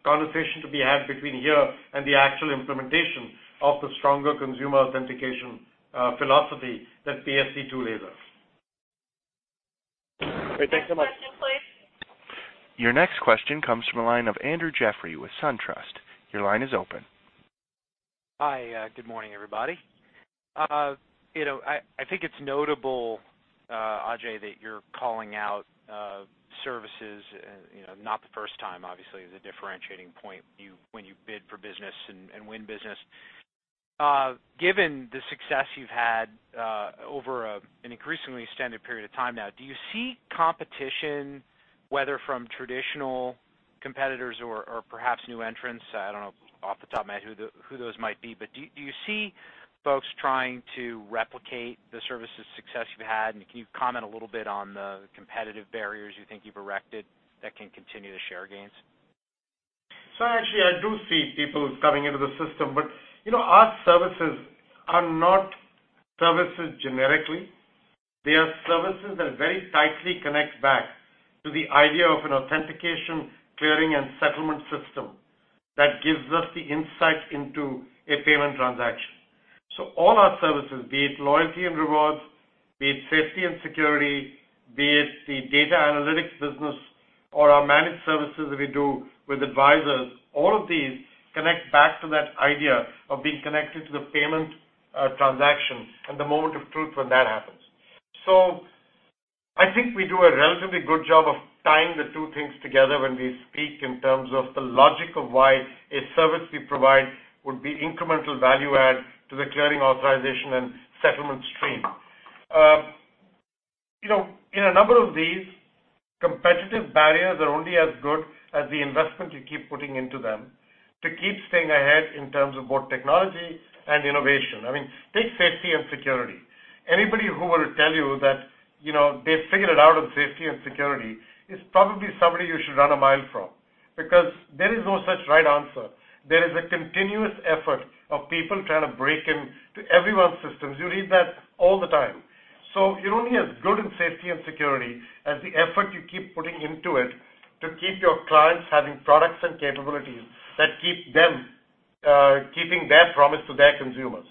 conversations to be had between here and the actual implementation of the stronger consumer authentication philosophy that PSD2 raises. Great. Thanks so much. Next question, please. Your next question comes from the line of Andrew Jeffrey with SunTrust. Your line is open. Hi. Good morning, everybody. I think it's notable, Ajay, that you're calling out services, not the first time, obviously, as a differentiating point when you bid for business and win business. Given the success you've had over an increasingly extended period of time now, do you see competition, whether from traditional competitors or perhaps new entrants? I don't know off the top of my head who those might be, but do you see folks trying to replicate the services success you've had, and can you comment a little bit on the competitive barriers you think you've erected that can continue to share gains? Actually, I do see people coming into the system, but our services are not services generically. They are services that very tightly connect back to the idea of an authentication, clearing, and settlement system that gives us the insight into a payment transaction. All our services, be it loyalty and rewards, be it safety and security, be it the data analytics business or our managed services that we do with Advisors, all of these connect back to that idea of being connected to the payment transaction and the moment of truth when that happens. I think we do a relatively good job of tying the two things together when we speak in terms of the logic of why a service we provide would be incremental value add to the clearing authorization and settlement stream. In a number of these, competitive barriers are only as good as the investment you keep putting into them to keep staying ahead in terms of both technology and innovation. Take safety and security. Anybody who will tell you that they've figured it out on safety and security is probably somebody you should run a mile from, because there is no such right answer. There is a continuous effort of people trying to break into everyone's systems. You read that all the time. You're only as good in safety and security as the effort you keep putting into it to keep your clients having products and capabilities that keep them keeping their promise to their consumers.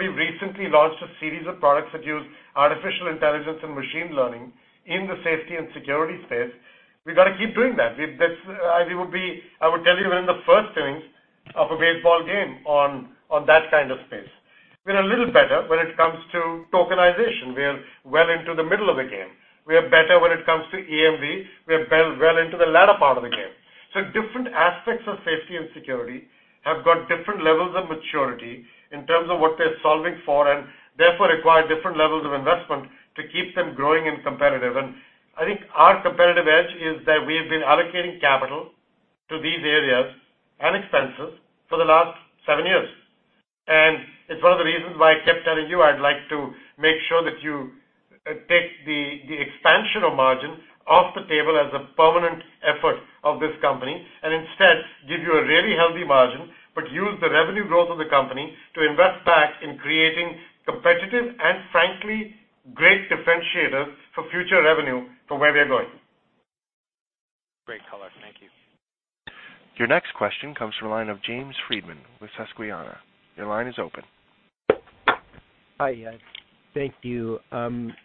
We recently launched a series of products that use artificial intelligence and machine learning in the safety and security space. We got to keep doing that. I would tell you we're in the first innings of a baseball game on that kind of space. We're a little better when it comes to tokenization. We are well into the middle of a game. We are better when it comes to EMV. We are well into the latter part of the game. Different aspects of safety and security have got different levels of maturity in terms of what they're solving for, and therefore require different levels of investment to keep them growing and competitive. I think our competitive edge is that we have been allocating capital to these areas and expenses for the last seven years. It's one of the reasons why I kept telling you I'd like to make sure that you take the expansion of margin off the table as a permanent effort of this company, and instead give you a really healthy margin, but use the revenue growth of the company to invest back in creating competitive and frankly, great differentiators for future revenue for where we're going. Great color. Thank you. Your next question comes from the line of James Friedman with Susquehanna. Your line is open. Hi. Thank you.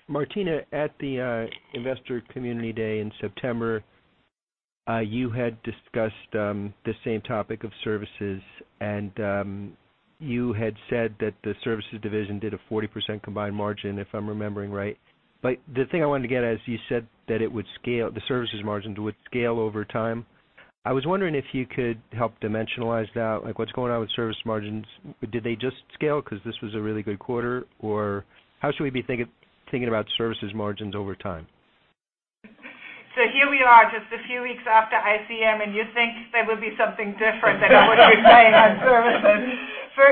Martina, at the Investor Community Day in September, you had discussed the same topic of services and you had said that the services division did a 40% combined margin, if I'm remembering right. The thing I wanted to get at is you said that the services margins would scale over time. I was wondering if you could help dimensionalize that, like what's going on with service margins. Did they just scale because this was a really good quarter? Or how should we be thinking about services margins over time? Here we are just a few weeks after ICM, and you think there will be something different than I would be saying on services.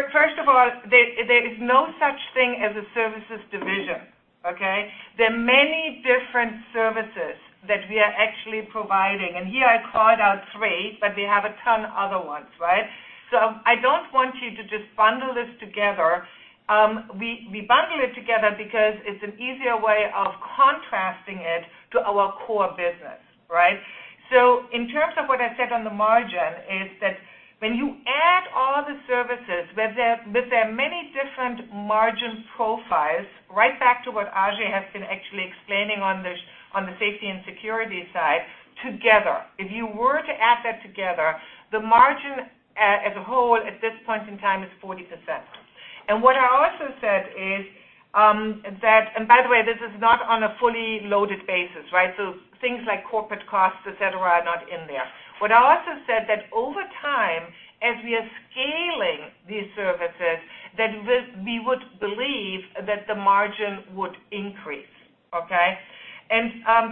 First of all, there is no such thing as a services division, okay? There are many different services that we are actually providing, and here I called out three, but we have a ton other ones. I don't want you to just bundle this together. We bundle it together because it's an easier way of contrasting it to our core business. In terms of what I said on the margin is that when you add all the services, with their many different margin profiles, right back to what Ajay has been actually explaining on the safety and security side together. If you were to add that together, the margin as a whole at this point in time is 40%. What I also said is that, and by the way, this is not on a fully loaded basis. Things like corporate costs, et cetera, are not in there. What I also said that over time, as we are scaling these services, that we would believe that the margin would increase. Okay?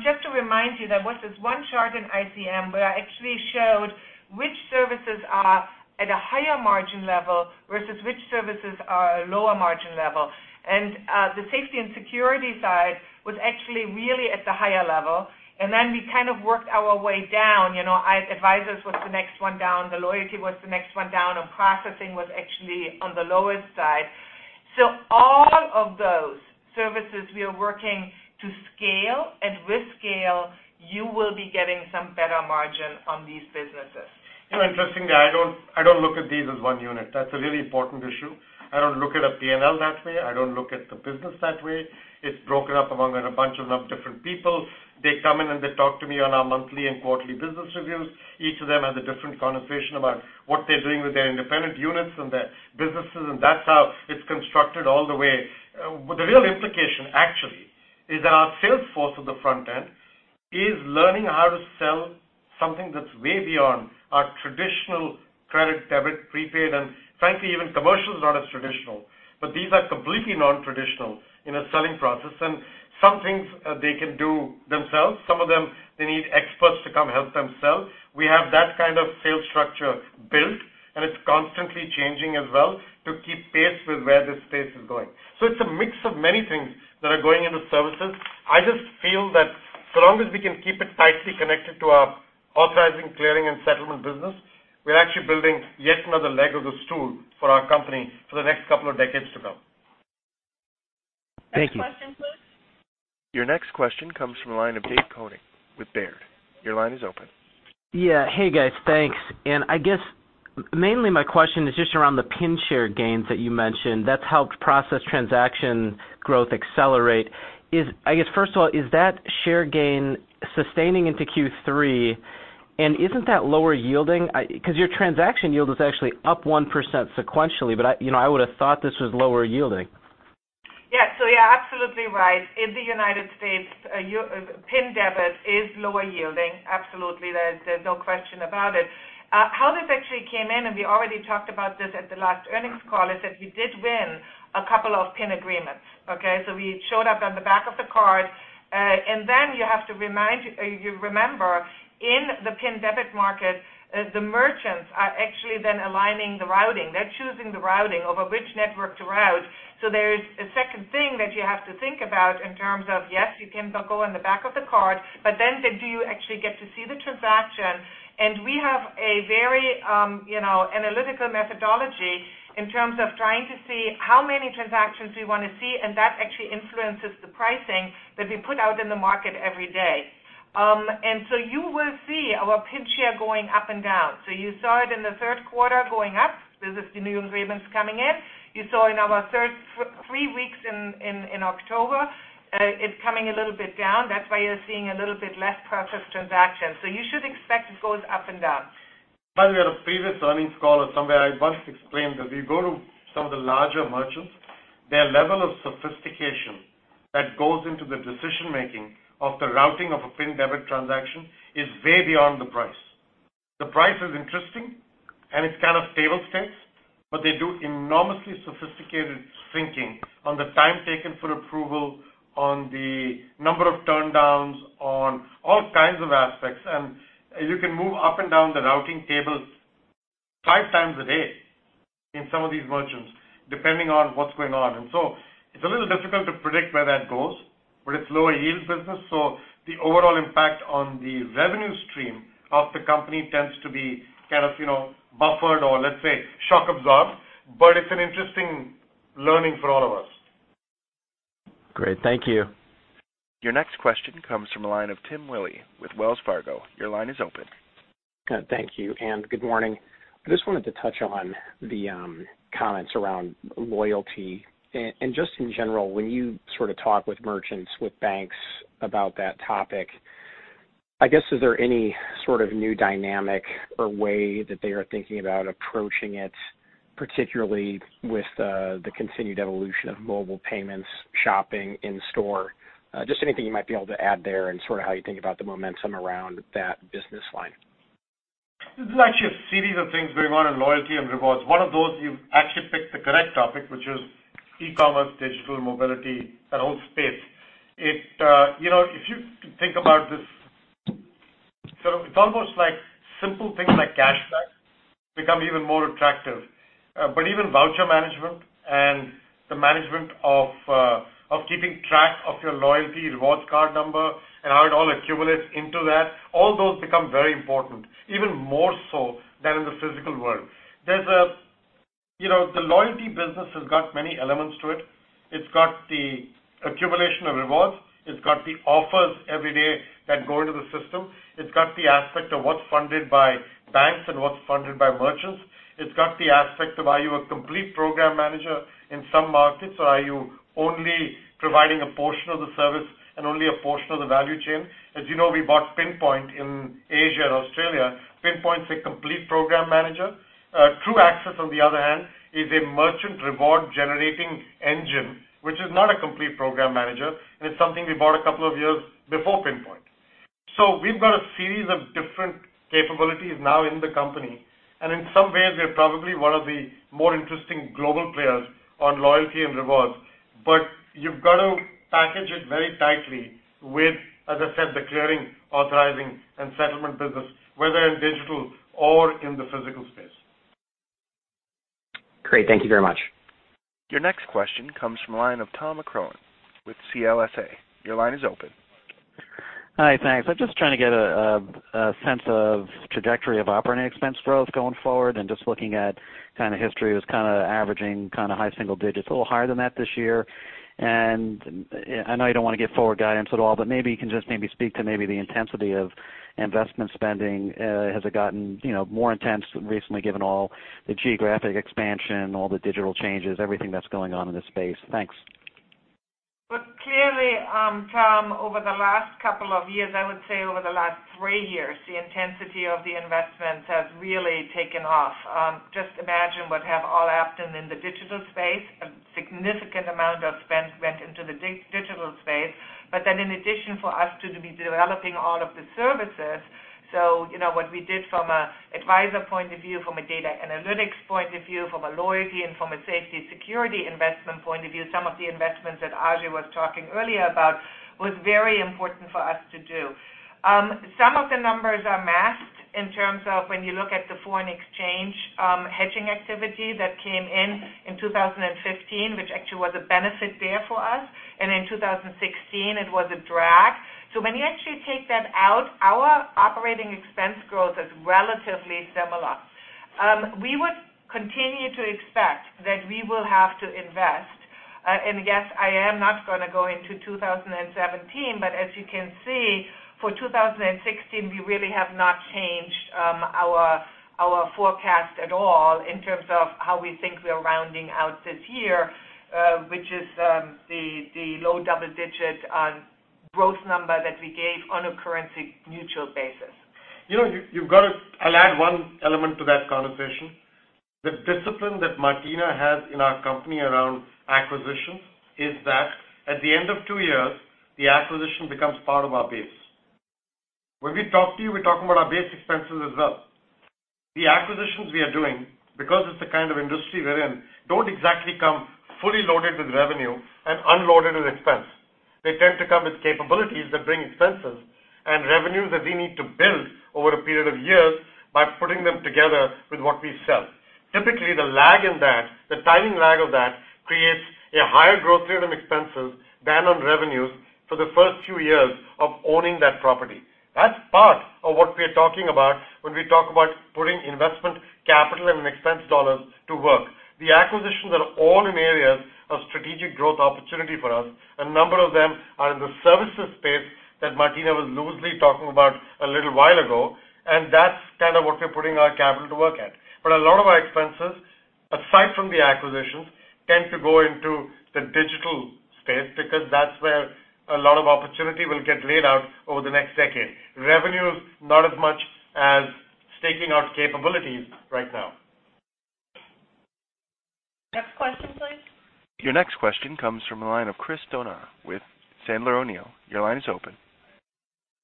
Just to remind you, there was this one chart in ICM where I actually showed which services are at a higher margin level versus which services are lower margin level. The safety and security side was actually really at the higher level. Then we kind of worked our way down. Advisors was the next one down, the loyalty was the next one down, and processing was actually on the lowest side. All of those services we are working to scale and with scale, you will be getting some better margin on these businesses. Interestingly, I don't look at these as one unit. That's a really important issue. I don't look at a P&L that way. I don't look at the business that way. It's broken up among a bunch of different people. They come in and they talk to me on our monthly and quarterly business reviews. Each of them has a different conversation about what they're doing with their independent units and their businesses, and that's how it's constructed all the way. The real implication actually is that our sales force at the front end is learning how to sell something that's way beyond our traditional credit, debit, prepaid, and frankly, even commercial is not as traditional. These are completely non-traditional in a selling process, and some things they can do themselves. Some of them, they need experts to come help them sell. We have that kind of sales structure built, and it's constantly changing as well to keep pace with where this space is going. It's a mix of many things that are going into services. I just feel that so long as we can keep it tightly connected to our authorizing, clearing, and settlement business, we are actually building yet another leg of the stool for our company for the next couple of decades to come. Thank you. Next question, please. Your next question comes from the line of David Koning with Baird. Your line is open. Yeah. Hey, guys. Thanks. I guess mainly my question is just around the PIN share gains that you mentioned that's helped process transaction growth accelerate. I guess first of all, is that share gain sustaining into Q3? Isn't that lower yielding? Because your transaction yield is actually up 1% sequentially, but I would have thought this was lower yielding. Yeah. You're absolutely right. In the U.S., PIN debit is lower yielding. Absolutely. There's no question about it. How this actually came in, we already talked about this at the last earnings call, is that we did win a couple of PIN agreements. Okay? We showed up on the back of the card. You have to remember, in the PIN debit market, the merchants are actually then aligning the routing. They're choosing the routing over which network to route. There is a second thing that you have to think about in terms of, yes, you can go on the back of the card, but then do you actually get to see the transaction? We have a very analytical methodology in terms of trying to see how many transactions we want to see, and that actually influences the pricing that we put out in the market every day. You will see our PIN share going up and down. You saw it in the third quarter going up. This is the new agreements coming in. You saw in our three weeks in October, it coming a little bit down. That's why you're seeing a little bit less purchase transactions. You should expect it goes up and down. By the way, on a previous earnings call or somewhere, I once explained that we go to some of the larger merchants. Their level of sophistication that goes into the decision-making of the routing of a PIN debit transaction is way beyond the price. The price is interesting, and it's kind of table stakes, but they do enormously sophisticated thinking on the time taken for approval, on the number of turndowns, on all kinds of aspects. You can move up and down the routing tables five times a day in some of these merchants, depending on what's going on. It's a little difficult to predict where that goes, but it's lower yield business, so the overall impact on the revenue stream of the company tends to be buffered or, let's say, shock absorbed, but it's an interesting learning for all of us. Great. Thank you. Your next question comes from the line of Tim Willi with Wells Fargo. Your line is open. Thank you, and good morning. I just wanted to touch on the comments around loyalty and just in general, when you talk with merchants, with banks about that topic. I guess, is there any sort of new dynamic or way that they are thinking about approaching it, particularly with the continued evolution of mobile payments, shopping in store? Just anything you might be able to add there and how you think about the momentum around that business line. There's actually a series of things going on in loyalty and rewards. One of those, you've actually picked the correct topic, which is e-commerce, digital mobility, that whole space. If you think about this, it's almost like simple things like cashback become even more attractive. Even voucher management and the management of keeping track of your loyalty rewards card number and how it all accumulates into that, all those become very important, even more so than in the physical world. The loyalty business has got many elements to it. It's got the accumulation of rewards. It's got the offers every day that go into the system. It's got the aspect of what's funded by banks and what's funded by merchants. It's got the aspect of are you a complete program manager in some markets, or are you only providing a portion of the service and only a portion of the value chain. As you know, we bought Pinpoint in Asia and Australia. Pinpoint is a complete program manager. Truaxis, on the other hand, is a merchant reward-generating engine, which is not a complete program manager, and it's something we bought a couple of years before Pinpoint. We've got a series of different capabilities now in the company, and in some ways, we are probably one of the more interesting global players on loyalty and rewards. You've got to package it very tightly with, as I said, the clearing, authorizing, and settlement business, whether in digital or in the physical space. Great. Thank you very much. Your next question comes from the line of Tom McCrohan with CLSA. Your line is open. Hi, thanks. I'm just trying to get a sense of trajectory of operating expense growth going forward and just looking at history was averaging high single digits, a little higher than that this year. I know you don't want to give forward guidance at all, but maybe you can just speak to maybe the intensity of investment spending. Has it gotten more intense recently given all the geographic expansion, all the digital changes, everything that's going on in this space? Thanks. Look, clearly, Tom, over the last couple of years, I would say over the last three years, the intensity of the investments has really taken off. Just imagine what have all happened in the digital space. A significant amount of spend went into the digital space. In addition for us to be developing all of the services. What we did from an Advisors point of view, from a data analytics point of view, from a loyalty and from a safety and security investment point of view, some of the investments that Ajay was talking earlier about was very important for us to do. Some of the numbers are masked in terms of when you look at the foreign exchange hedging activity that came in in 2015, which actually was a benefit there for us. In 2016 it was a drag. When you actually take that out, our operating expense growth is relatively similar. We would continue to expect that we will have to invest. Yes, I am not going to go into 2017, but as you can see, for 2016, we really have not changed our forecast at all in terms of how we think we are rounding out this year, which is the low double-digit growth number that we gave on a currency-neutral basis. I'll add one element to that conversation. The discipline that Martina has in our company around acquisition is that at the end of 2 years, the acquisition becomes part of our base. When we talk to you, we're talking about our base expenses as well. The acquisitions we are doing, because it's the kind of industry we're in, don't exactly come fully loaded with revenue and unloaded with expense. They tend to come with capabilities that bring expenses and revenues that we need to build over a period of years by putting them together with what we sell. Typically, the timing lag of that creates a higher growth rate on expenses than on revenues for the first few years of owning that property. That's part of what we're talking about when we talk about putting investment capital and expense dollars to work. The acquisitions are all in areas of strategic growth opportunity for us. A number of them are in the services space that Martina was loosely talking about a little while ago, that's kind of what we're putting our capital to work at. A lot of our expenses, aside from the acquisitions, tend to go into the digital space because that's where a lot of opportunity will get laid out over the next decade. Revenue is not as much as staking out capabilities right now. Next question, please. Your next question comes from the line of Chris Donat with Sandler O'Neill. Your line is open.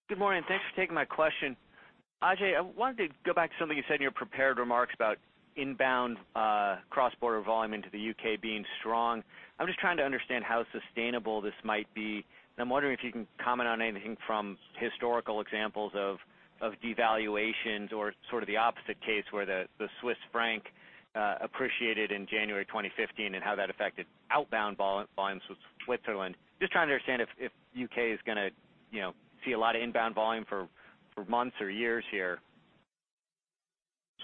Good morning. Thanks for taking my question. Ajay, I wanted to go back to something you said in your prepared remarks about inbound cross-border volume into the U.K. being strong. I'm just trying to understand how sustainable this might be, and I'm wondering if you can comment on anything from historical examples of devaluations or sort of the opposite case where the Swiss franc appreciated in January 2015, and how that affected outbound volumes with Switzerland. Just trying to understand if U.K. is going to see a lot of inbound volume for months or years here.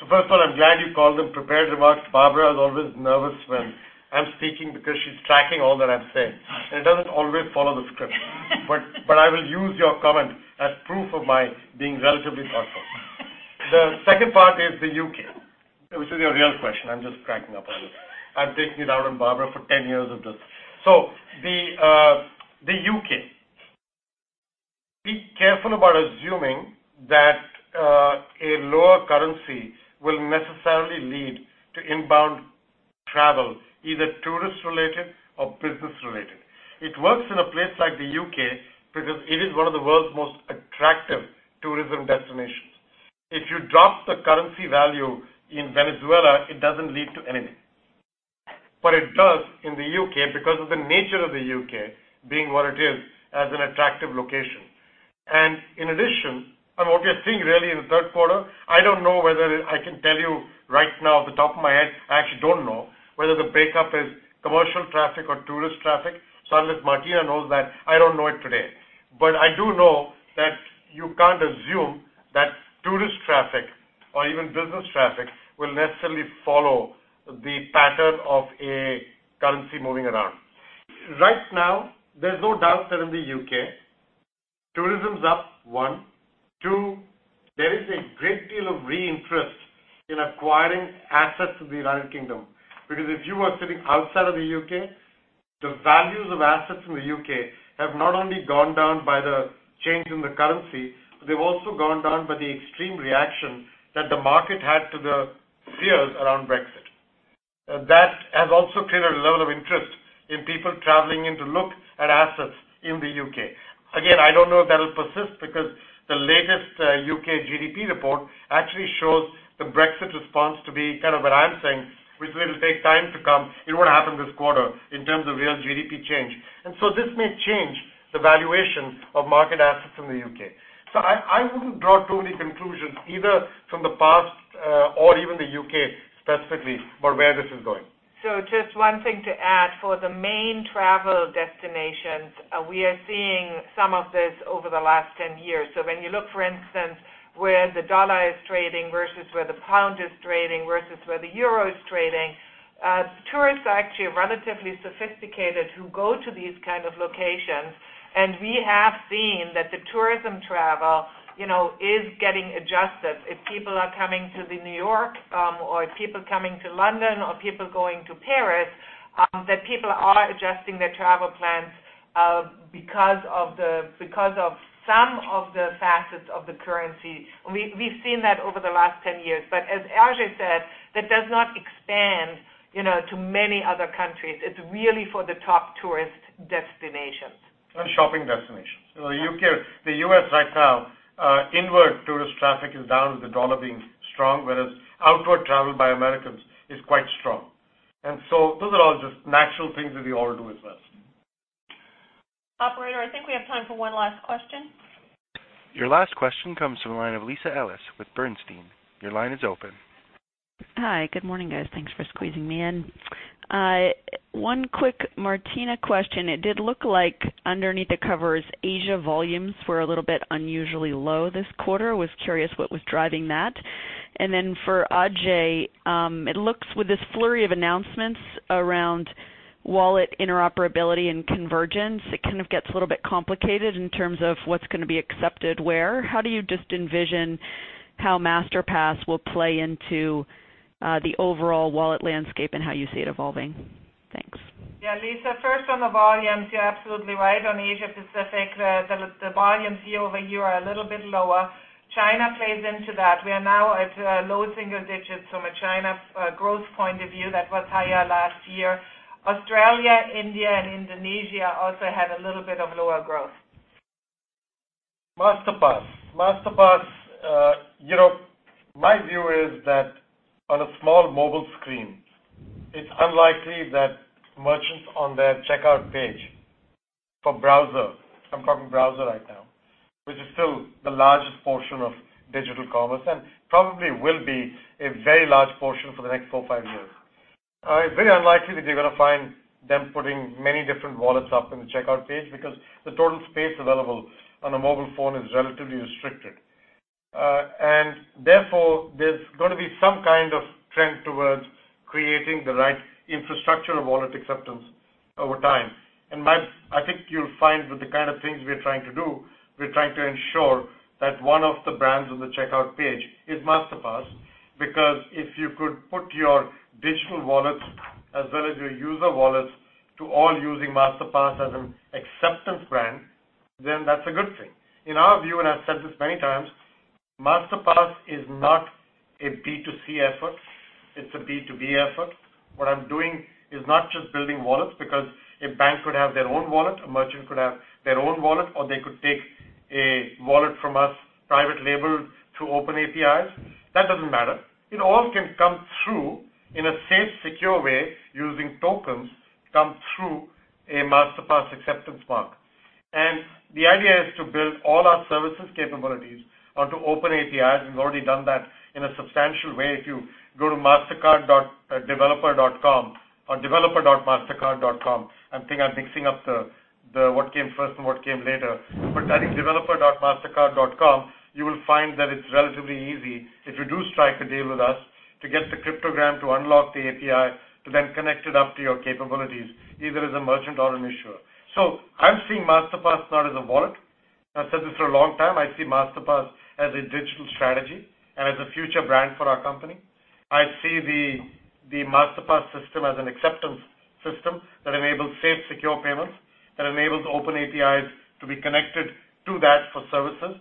First of all, I'm glad you called them prepared remarks. Barbara is always nervous when I'm speaking because she's tracking all that I've said, and it doesn't always follow the script. I will use your comment as proof of my being relatively thoughtful. The second part is the U.K., which is your real question. I'm just cracking up on you. I'm taking it out on Barbara for 10 years of this. The U.K. Be careful about assuming that a lower currency will necessarily lead to inbound travel, either tourist related or business related. It works in a place like the U.K. because it is one of the world's most attractive tourism destinations. If you drop the currency value in Venezuela, it doesn't lead to anything. It does in the U.K. because of the nature of the U.K. being what it is as an attractive location. In addition, what we are seeing really in the third quarter, I don't know whether I can tell you right now off the top of my head. I actually don't know whether the breakup is commercial traffic or tourist traffic. Unless Martina knows that, I don't know it today. I do know that you can't assume that tourist traffic or even business traffic will necessarily follow the pattern of a currency moving around. Right now, there's no doubt that in the U.K., tourism's up, one. Two, there is a great deal of re-interest in acquiring assets of the United Kingdom. If you are sitting outside of the U.K., the values of assets from the U.K. have not only gone down by the change in the currency, but they've also gone down by the extreme reaction that the market had to the fears around Brexit. That has also created a level of interest in people traveling in to look at assets in the U.K. Again, I don't know if that'll persist because the latest U.K. GDP report actually shows the Brexit response to be kind of what I'm saying, which will take time to come. It won't happen this quarter in terms of real GDP change. This may change the valuation of market assets in the U.K. I wouldn't draw too many conclusions either from the past, or even the U.K. specifically, for where this is going. Just one thing to add. For the main travel destinations, we are seeing some of this over the last 10 years. When you look, for instance, where the U.S. dollar is trading versus where the GBP is trading versus where the EUR is trading, tourists are actually relatively sophisticated who go to these kind of locations. We have seen that the tourism travel is getting adjusted. If people are coming to New York or if people coming to London or people going to Paris, that people are adjusting their travel plans because of some of the facets of the currency. We've seen that over the last 10 years. As Ajay said, that does not expand to many other countries. It's really for the top tourist destinations. Shopping destinations. The U.S. right now, inward tourist traffic is down with the U.S. dollar being strong, whereas outward travel by Americans is quite strong. Those are all just natural things that we all do as well. Operator, I think we have time for one last question. Your last question comes from the line of Lisa Ellis with Bernstein. Your line is open. Hi. Good morning, guys. Thanks for squeezing me in. One quick Martina question. It did look like underneath the covers, Asia volumes were a little bit unusually low this quarter. Was curious what was driving that. Then for Ajay, it looks with this flurry of announcements around wallet interoperability and convergence, it kind of gets a little bit complicated in terms of what's going to be accepted where. How do you just envision how Masterpass will play into the overall wallet landscape and how you see it evolving? Thanks. Yeah, Lisa, first on the volumes, you're absolutely right on Asia-Pacific. The volumes year-over-year are a little bit lower. China plays into that. We are now at low single digits from a China growth point of view. That was higher last year. Australia, India, Indonesia also had a little bit of lower growth. Masterpass. Masterpass, my view is that on a small mobile screen, it's unlikely that merchants on their checkout page for browser, I'm talking browser right now, which is still the largest portion of digital commerce and probably will be a very large portion for the next four or five years. It's very unlikely that you're going to find them putting many different wallets up in the checkout page because the total space available on a mobile phone is relatively restricted. Therefore, there's going to be some kind of trend towards creating the right infrastructure of wallet acceptance over time. I think you'll find with the kind of things we're trying to do, we're trying to ensure that one of the brands on the checkout page is Masterpass. Because if you could put your digital wallets as well as your user wallets to all using Masterpass as an acceptance brand, then that's a good thing. In our view, I've said this many times, Masterpass is not a B2C effort. It's a B2B effort. What I'm doing is not just building wallets because a bank could have their own wallet, a merchant could have their own wallet, or they could take a wallet from us private label to open APIs. That doesn't matter. It all can come through in a safe, secure way using tokens, come through a Masterpass acceptance mark. The idea is to build all our services capabilities onto open APIs. We've already done that in a substantial way. If you go to mastercard.developer.com or developer.mastercard.com, I think I'm mixing up what came first and what came later. That is developer.mastercard.com. You will find that it's relatively easy if you do strike a deal with us to get the cryptogram to unlock the API, to then connect it up to your capabilities, either as a merchant or an issuer. I'm seeing Masterpass not as a wallet. I've said this for a long time. I see Masterpass as a digital strategy and as a future brand for our company. I see the Masterpass system as an acceptance system that enables safe, secure payments, that enables open APIs to be connected to that for services.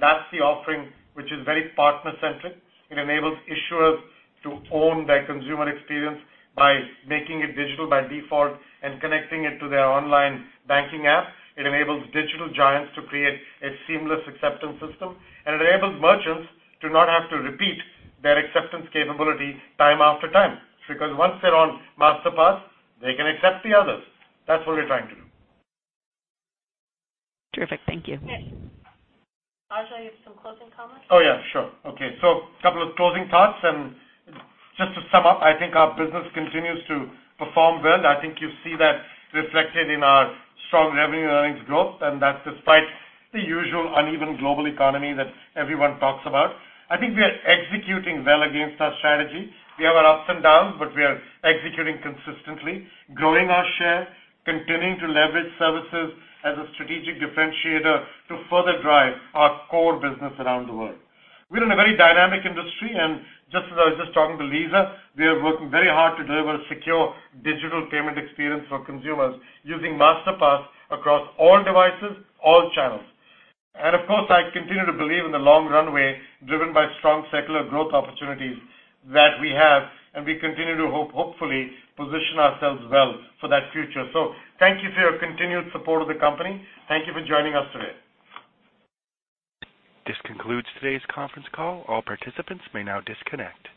That's the offering which is very partner-centric. It enables issuers to own their consumer experience by making it digital by default and connecting it to their online banking app. It enables digital giants to create a seamless acceptance system, and it enables merchants to not have to repeat their acceptance capabilities time after time. Once they're on Masterpass, they can accept the others. That's what we're trying to do. Terrific. Thank you. Okay. Ajay, you have some closing comments? Oh, yeah. Sure. Okay. A couple of closing thoughts, just to sum up, I think our business continues to perform well. I think you see that reflected in our strong revenue and earnings growth, and that despite the usual uneven global economy that everyone talks about. I think we are executing well against our strategy. We have our ups and downs, we are executing consistently, growing our share, continuing to leverage services as a strategic differentiator to further drive our core business around the world. We're in a very dynamic industry, just as I was just talking to Lisa, we are working very hard to deliver a secure digital payment experience for consumers using Masterpass across all devices, all channels. Of course, I continue to believe in the long runway driven by strong secular growth opportunities that we have, we continue to hopefully position ourselves well for that future. Thank you for your continued support of the company. Thank you for joining us today. This concludes today's conference call. All participants may now disconnect.